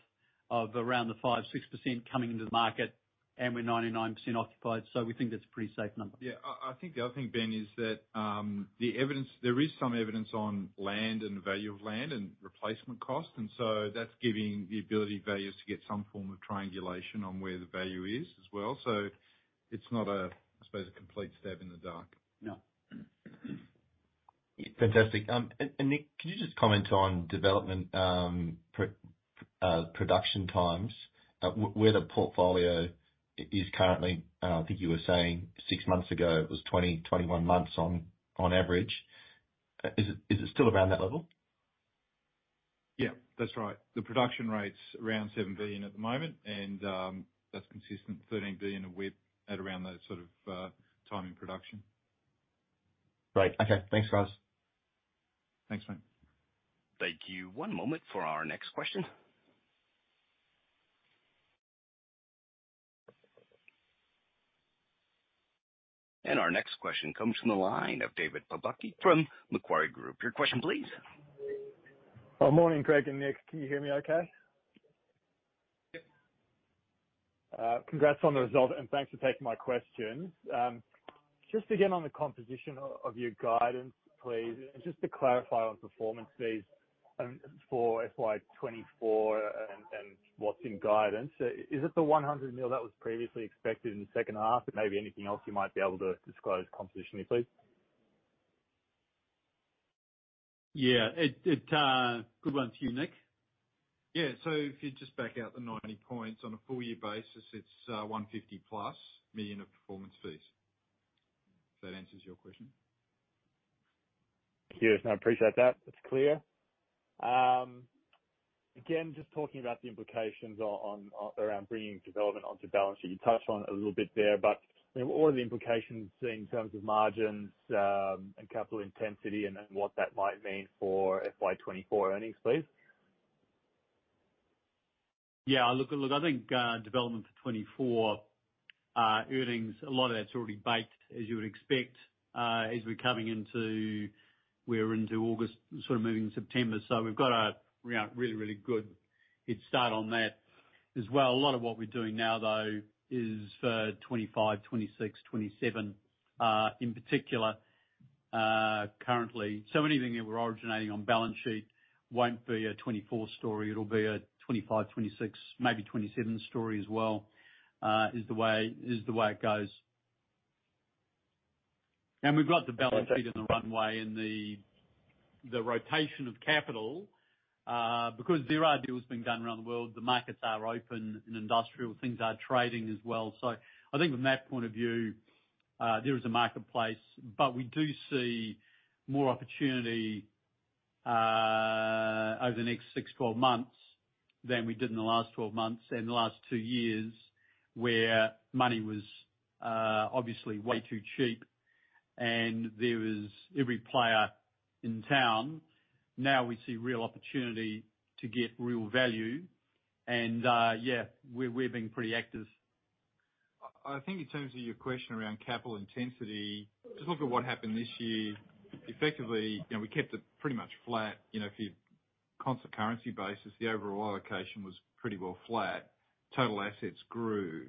of around the 5, 6% coming into the market, and we're 99% occupied. We think that's a pretty safe number. Yeah, I, I think the other thing, Ben, is that, the evidence-- there is some evidence on land and the value of land and replacement cost, and so that's giving the ability of valuers to get some form of triangulation on where the value is as well. It's not a, I suppose, a complete stab in the dark. No. Fantastic. Nick, can you just comment on development, production times, where the portfolio is currently? I think you were saying six months ago it was 20-21 months on average. Is it, is it still around that level? Yeah, that's right. The production rate's around 7 billion at the moment, That's consistent, 13 billion with at around that sort of time in production. Right. Okay. Thanks, guys. Thanks, Ben. Thank you. One moment for our next question. Our next question comes from the line of David Pobucky from Macquarie Group. Your question, please. Well, morning, Greg and Nick. Can you hear me okay? Yep. Congrats on the result, thanks for taking my questions. Just again, on the composition of your guidance, please, just to clarify on performance fees, for FY 2024, what's in guidance, is it the 100 million that was previously expected in the second half? Maybe anything else you might be able to disclose compositionally, please? Yeah, good one to you, Nick. Yeah, if you just back out the 90 points on a full year basis, it's 150+ million of performance fees. If that answers your question. Yes, I appreciate that. It's clear. again, just talking about the implications around bringing development onto the balance sheet. You touched on it a little bit there, but, you know, what are the implications in terms of margins, and capital intensity, and then what that might mean for FY 2024 earnings, please? Yeah, look, look, I think development for 2024 earnings, a lot of that's already baked, as you would expect, as we're coming into-- we're into August, sort of moving September. We've got a, you know, really, really good head start on that as well. A lot of what we're doing now, though, is for 2025, 2026, 2027, in particular, currently. Anything that we're originating on balance sheet won't be a 2024 story. It'll be a 2025, 2026, maybe 2027 story as well, is the way, is the way it goes. We've got the balance sheet and the runway and the, the rotation of capital, because there are deals being done around the world, the markets are open, and industrial things are trading as well. I think from that point of view, there is a marketplace, but we do see more opportunity over the next 6, 12 months than we did in the last 12 months, and the last 2 years, where money was obviously way too cheap and there was every player in town. We see real opportunity to get real value, and, yeah, we're, we're being pretty active. I, I think in terms of your question around capital intensity, just look at what happened this year. Effectively, you know, we kept it pretty much flat. You know, if you constant currency basis, the overall allocation was pretty well flat. Total assets grew.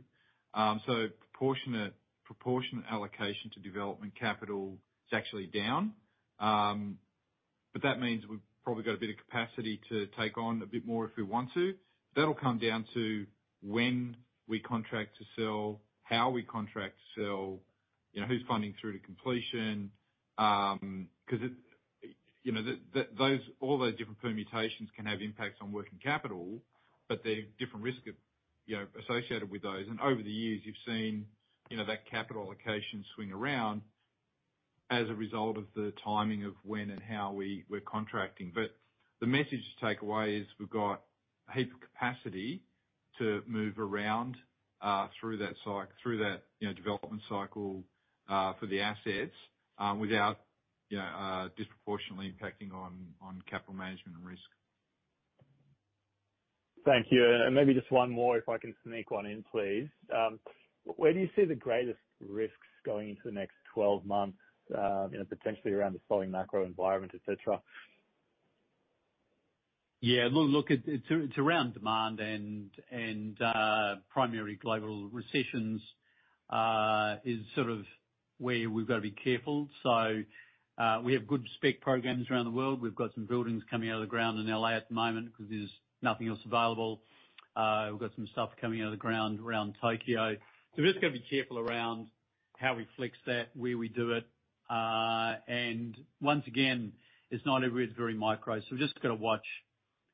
Proportionate, proportionate allocation to development capital is actually down. That means we've probably got a bit of capacity to take on a bit more if we want to. That'll come down to when we contract to sell, how we contract to sell, you know, who's funding through to completion. Because it, you know, the those, all those different permutations can have impacts on working capital, but there's different risk of, you know, associated with those. Over the years, you've seen, you know, that capital allocation swing around as a result of the timing of when and how we're contracting. The message to take away is, we've got a heap of capacity to move around through that cycle, through that, you know, development cycle, for the assets, without, you know, disproportionately impacting on, on capital management and risk. Thank you. Maybe just one more, if I can sneak one in, please. Where do you see the greatest risks going into the next 12 months, you know, potentially around the slowing macro environment, et cetera? Yeah, look, look, it's, it's around demand and, and, primary global recessions, is sort of where we've got to be careful. We have good spec programs around the world. We've got some buildings coming out of the ground in L.A. at the moment because there's nothing else available. We've got some stuff coming out of the ground around Tokyo. We've just got to be careful around how we flex that, where we do it. Once again, it's not everywhere, it's very micro. We've just got to watch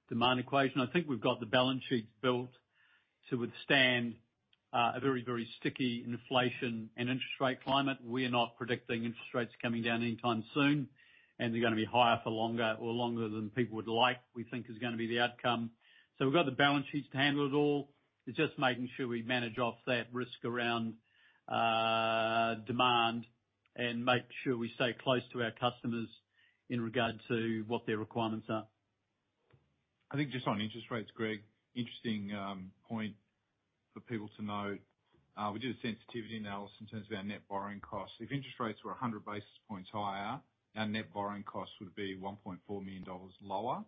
demand equation. I think we've got the balance sheets built to withstand, a very, very sticky inflation and interest rate climate. We are not predicting interest rates coming down anytime soon, and they're going to be higher for longer, or longer than people would like, we think is going to be the outcome. We've got the balance sheets to handle it all. It's just making sure we manage off that risk around demand, and make sure we stay close to our customers in regard to what their requirements are. I think just on interest rates, Greg, interesting, point for people to note. We did a sensitivity analysis in terms of our net borrowing costs. If interest rates were 100 basis points higher, our net borrowing costs would be $1.4 million lower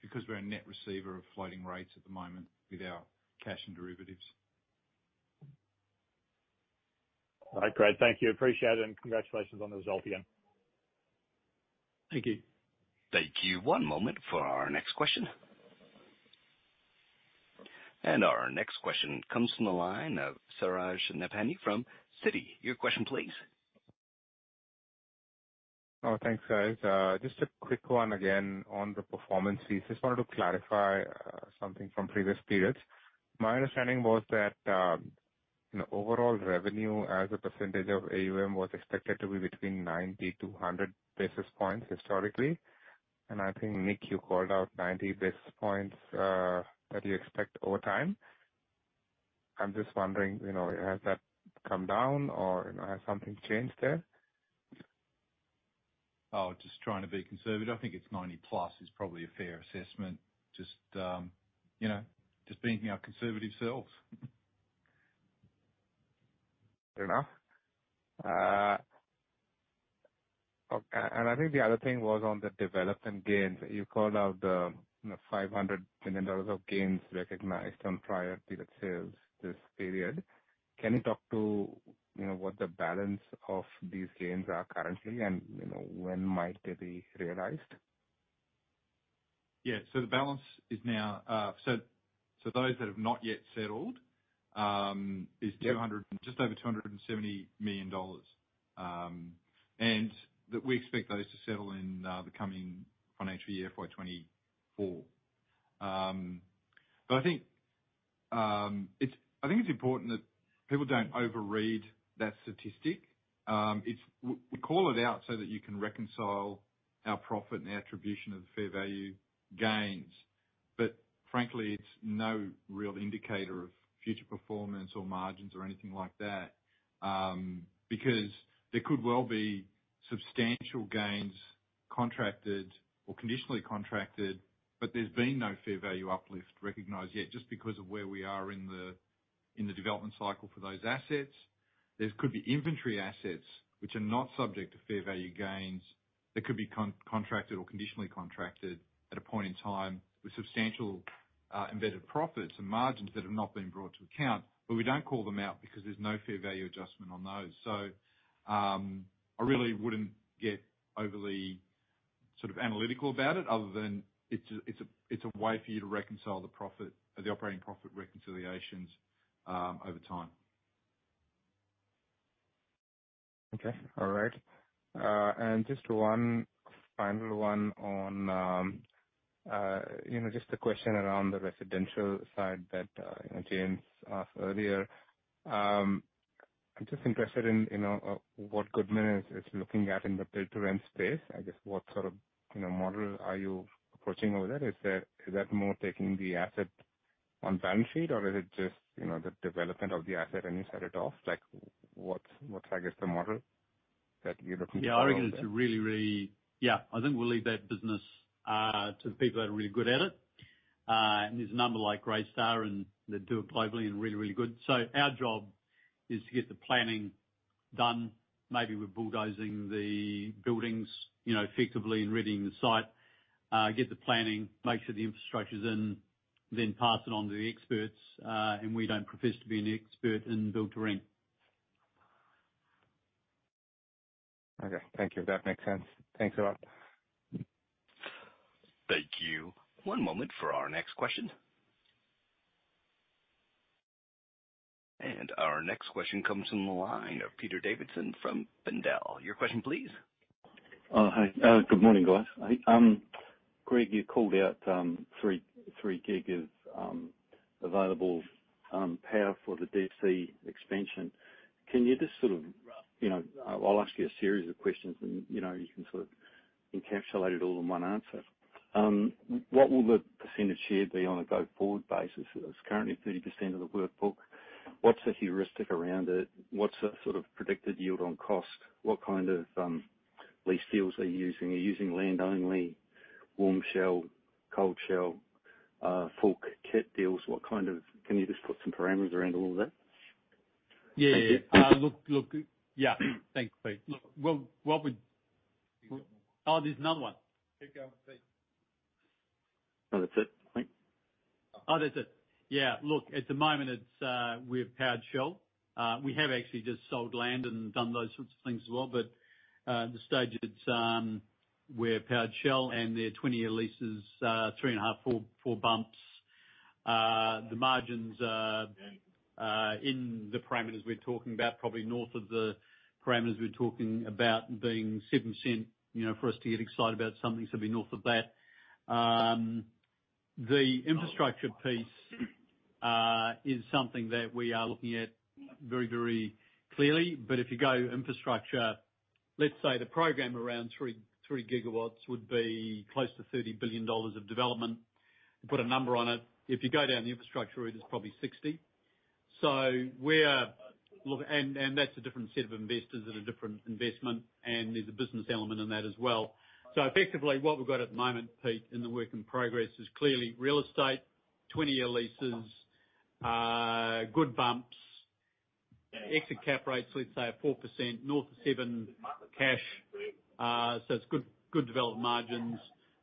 because we're a net receiver of floating rates at the moment with our cash and derivatives. All right, great. Thank you. Appreciate it. Congratulations on the result again. Thank you. Thank you. One moment for our next question. Our next question comes from the line of Suraj Nebhani from Citi. Your question, please. Oh, thanks, guys. Just a quick one again on the performance piece. Just wanted to clarify something from previous periods. My understanding was that, you know, overall revenue as a percentage of AUM was expected to be between 90-100 basis points historically, and I think, Nick, you called out 90 basis points that you expect over time. I'm just wondering, you know, has that come down or, you know, has something changed there? Oh, just trying to be conservative. I think it's 90+ is probably a fair assessment. Just, you know, just being our conservative selves. Fair enough. Okay, I think the other thing was on the development gains. You called out the, you know, $500 million of gains recognized on prior period sales this period. Can you talk to, you know, what the balance of these gains are currently, and, you know, when might they be realized? Yeah. The balance is now, those that have not yet settled, is 200- Yeah. just over $270 million. That we expect those to settle in the coming financial year, FY 2024. I think it's important that people don't overread that statistic. We call it out so that you can reconcile our profit and the attribution of the fair value gains. Frankly, it's no real indicator of future performance or margins or anything like that, because there could well be substantial gains contracted or conditionally contracted, but there's been no fair value uplift recognized yet, just because of where we are in the development cycle for those assets. There could be inventory assets which are not subject to fair value gains, that could be contracted or conditionally contracted at a point in time with substantial, embedded profits and margins that have not been brought to account. We don't call them out because there's no fair value adjustment on those. I really wouldn't get overly sort of analytical about it, other than it's, it's a, it's a way for you to reconcile the profit, or the operating profit reconciliations, over time. Okay. All right. Just one final one on, you know, just a question around the residential side that James asked earlier. I'm just interested in, you know, what Goodman is, is looking at in the build-to-rent space. I guess, what sort of, you know, model are you approaching over there? Is that, is that more taking the asset on balance sheet, or is it just, you know, the development of the asset, and you set it off? Like, what's, what's, I guess, the model that you're looking for over there? Yeah, I think we'll leave that business to the people that are really good at it. There's a number, like Greystar, and they do it globally and really, really good. Our job is to get the planning done, maybe we're bulldozing the buildings, you know, effectively and readying the site. Get the planning, make sure the infrastructure's in, then pass it on to the experts, and we don't profess to be an expert in build-to-rent. Okay, thank you. That makes sense. Thanks a lot. Thank you. One moment for our next question. Our next question comes from the line of Peter Davidson from Pendal. Your question, please? Hi. Good morning, guys. Greg, you called out 3, 3 gig of available power for the DC expansion. Can you just sort of, you know, I'll ask you a series of questions and, you know, you can sort of encapsulate it all in one answer. What will the percentage share be on a go-forward basis? It's currently 30% of the WIP. What's the heuristic around it? What's the sort of predicted yield on cost? What kind of lease deals are you using? Are you using land only, warm shell, cold shell, full kit deals? Can you just put some parameters around all of that? Yeah. Thank you. Look, look, yeah. Thanks, Pete. Look. Oh, there's another one. Keep going, Pete. No, that's it. I think. Oh, that's it. Yeah. Look, at the moment, it's, we have powered shell. We have actually just sold land and done those sorts of things as well. At this stage, it's, we're powered shell, and they're 20-year leases, 3.5, 4, 4 bumps. The margins are in the parameters we're talking about, probably north of the parameters we're talking about being 7%, you know, for us to get excited about something, so be north of that. The infrastructure piece is something that we are looking at very, very clearly. If you go infrastructure, let's say the program around 3, 3 gigawatts would be close to 30 billion dollars of development. Put a number on it. If you go down the infrastructure route, it's probably 60 billion. We're look- and that's a different set of investors and a different investment, and there's a business element in that as well. Effectively, what we've got at the moment, Pete, in the work in progress, is clearly real estate, 20-year leases, good bumps, exit cap rates, let's say 4%, north of 7 cash. It's good, good development margins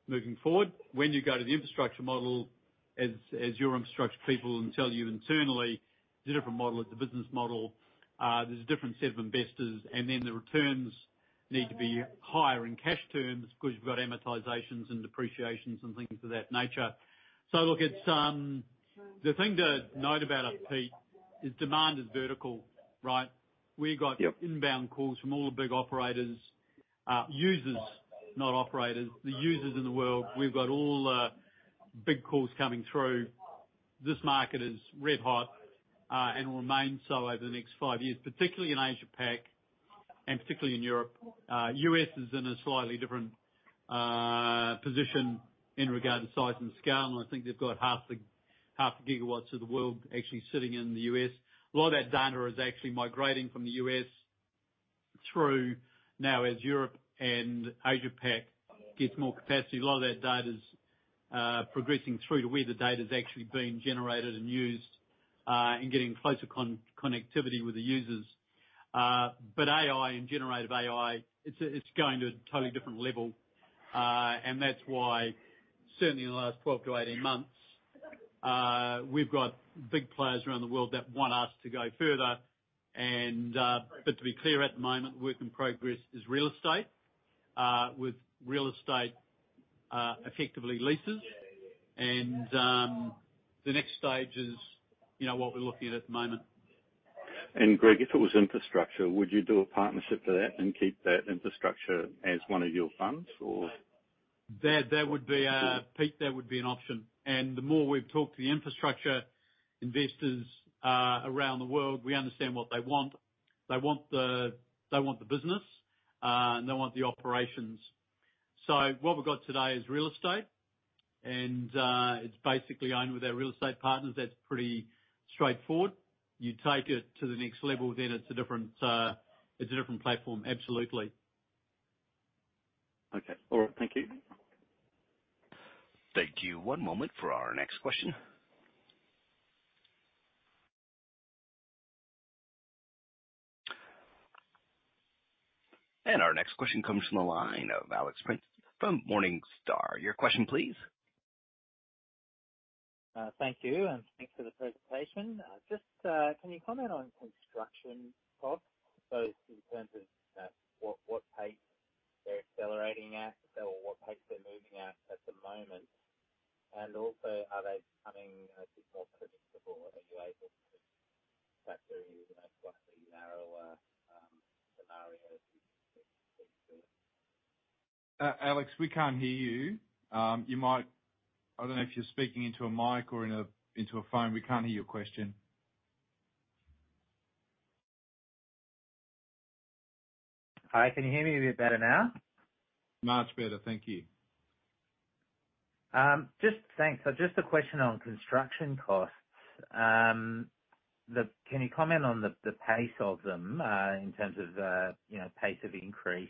moving forward. When you go to the infrastructure model, as your infrastructure people will tell you internally, it's a different model. It's a business model. There's a different set of investors, and then the returns need to be higher in cash terms because you've got amortizations and depreciations and things of that nature. Look, it's... The thing to note about it, Pete, is demand is vertical, right? Yep. We've got inbound calls from all the big operators, users, not operators, the users in the world. We've got all, big calls coming through. This market is red hot, and will remain so over the next 5 years, particularly in Asia Pac and particularly in Europe. US is in a slightly different position in regard to size and scale, and I think they've got half the gigawatts of the world actually sitting in the US. A lot of that data is actually migrating from the US through now as Europe and Asia Pac gets more capacity. A lot of that data is progressing through to where the data is actually being generated and used, and getting closer connectivity with the users. AI and generative AI, it's, it's going to a totally different level. That's why certainly in the last 12-18 months, we've got big players around the world that want us to go further. But to be clear, at the moment, work in progress is real estate, with real estate, effectively leases. The next stage is, you know, what we're looking at at the moment. Greg, if it was infrastructure, would you do a partnership for that and keep that infrastructure as one of your funds or? That, that would be, Pete, that would be an option. The more we've talked to the infrastructure investors around the world, we understand what they want. They want the, they want the business, and they want the operations. What we've got today is real estate, and it's basically owned with our real estate partners. That's pretty straightforward. You take it to the next level, then it's a different, it's a different platform. Absolutely. Okay. All right, thank you. Thank you. One moment for our next question. Our next question comes from the line of Alex Prineas from Morningstar. Your question, please. Thank you, and thanks for the presentation. Just, can you comment on construction costs, both in terms of what, what pace they're accelerating at or what pace they're moving at, at the moment? Also, are they becoming a bit more predictable, and are you able to factor in, you know, slightly narrower scenarios? Alex, we can't hear you. You might I don't know if you're speaking into a mic or into a phone. We can't hear your question. Hi, can you hear me a bit better now? Much better. Thank you. Thanks. Just a question on construction costs. Can you comment on the, the pace of them, in terms of, you know, pace of increase,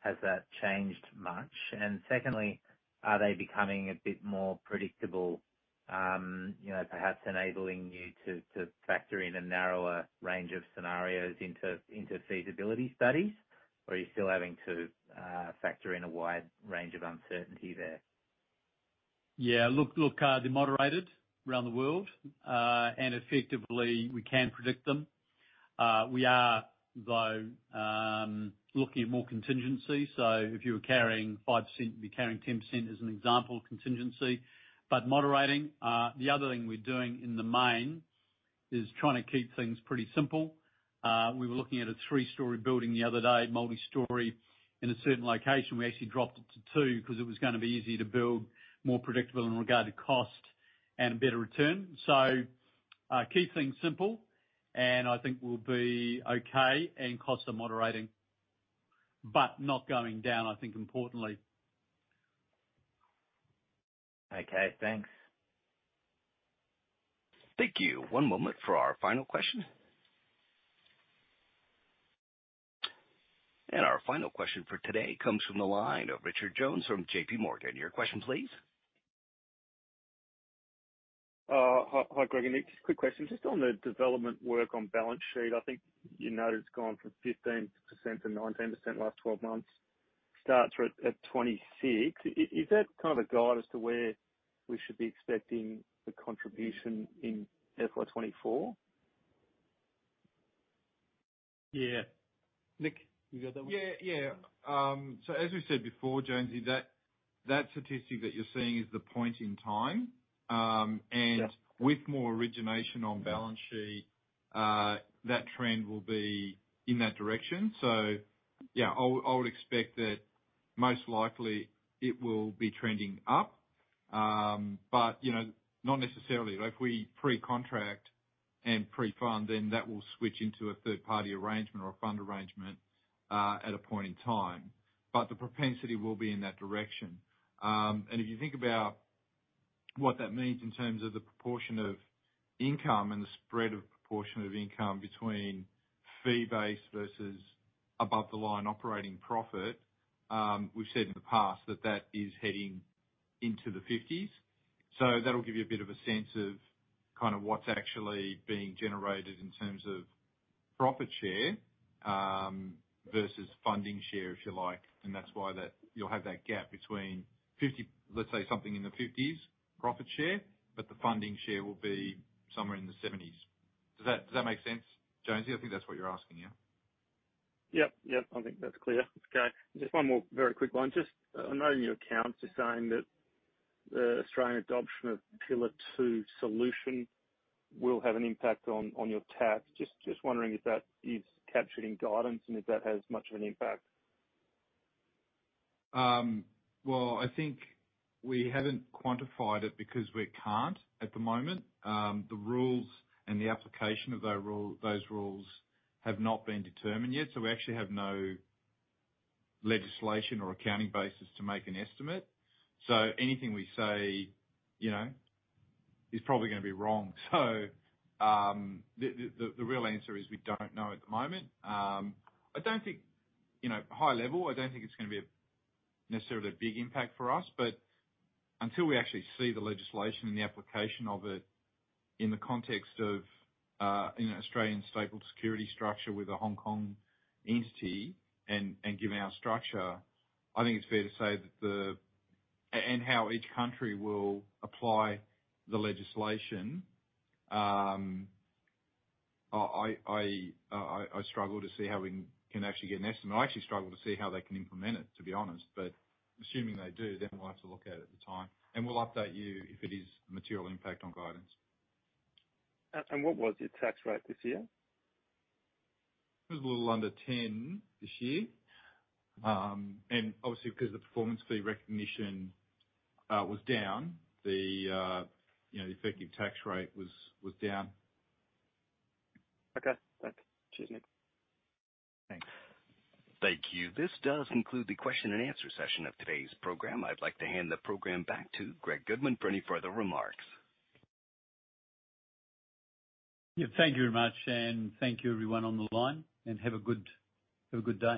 has that changed much? Secondly, are they becoming a bit more predictable, you know, perhaps enabling you to, to factor in a narrower range of scenarios into, into feasibility studies? Are you still having to, factor in a wide range of uncertainty there?... Yeah, look, look, they're moderated around the world, effectively, we can predict them. We are, though, looking at more contingency. If you were carrying 5%, you'd be carrying 10% as an example of contingency, but moderating. The other thing we're doing in the main is trying to keep things pretty simple. We were looking at a 3-story building the other day, multi-story, in a certain location. We actually dropped it to 2, because it was gonna be easier to build, more predictable in regard to cost and a better return. Keep things simple, and I think we'll be okay. Costs are moderating, but not going down, I think importantly. Okay, thanks. Thank you. One moment for our final question. Our final question for today comes from the line of Richard Jones from JP Morgan. Your question, please. Hi, hi, Greg and Nick. Quick question. Just on the development work on balance sheet, I think you noted it's gone from 15% to 19% last 12 months, starts at, at 26. Is that kind of a guide as to where we should be expecting the contribution in FY 2024? Yeah. Nick, you got that one? Yeah, yeah. As we said before, Jonesy, that, that statistic that you're seeing is the point in time. Yeah. With more origination on balance sheet, that trend will be in that direction. Yeah, I would, I would expect that most likely it will be trending up. You know, not necessarily, if we pre-contract and pre-fund, then that will switch into a third-party arrangement or a fund arrangement at a point in time. The propensity will be in that direction. If you think about what that means in terms of the proportion of income and the spread of proportion of income between fee-based versus above-the-line operating profit, we've said in the past that that is heading into the 50s. That'll give you a bit of a sense of kind of what's actually being generated in terms of profit share versus funding share, if you like, and that's why that- you'll have that gap between 50... Let's say something in the fifties, profit share, but the funding share will be somewhere in the seventies. Does that, does that make sense, Jonesy? I think that's what you're asking, yeah. Yep, yep. I think that's clear. Okay, just one more very quick one. Just, I know your accounts are saying that the Australian adoption of Pillar Two solution will have an impact on, on your tax. Just, just wondering if that is captured in guidance and if that has much of an impact. Well, I think we haven't quantified it because we can't at the moment. The rules and the application of those rule, those rules have not been determined yet, we actually have no legislation or accounting basis to make an estimate. Anything we say, you know, is probably gonna be wrong. The, the, the real answer is we don't know at the moment. I don't think, you know, high level, I don't think it's gonna be a necessarily a big impact for us, but until we actually see the legislation and the application of it in the context of an Australian stapled security structure with a Hong Kong entity, and, and given our structure, I think it's fair to say that the... How each country will apply the legislation, I, I, I, I, I struggle to see how we can actually get an estimate. I actually struggle to see how they can implement it, to be honest. Assuming they do, then we'll have to look at it at the time, and we'll update you if it is a material impact on guidance. What was your tax rate this year? It was a little under 10 this year. Obviously, because the performance fee recognition, was down, the effective tax rate was down. Okay. Thanks. Cheers, Nick. Thanks. Thank you. This does conclude the question and answer session of today's program. I'd like to hand the program back to Greg Goodman for any further remarks. Yeah, thank you very much. Thank you everyone on the line. Have a good, have a good day.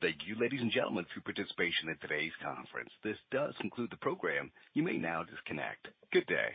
Thank you, ladies and gentlemen, for your participation in today's conference. This does conclude the program. You may now disconnect. Good day.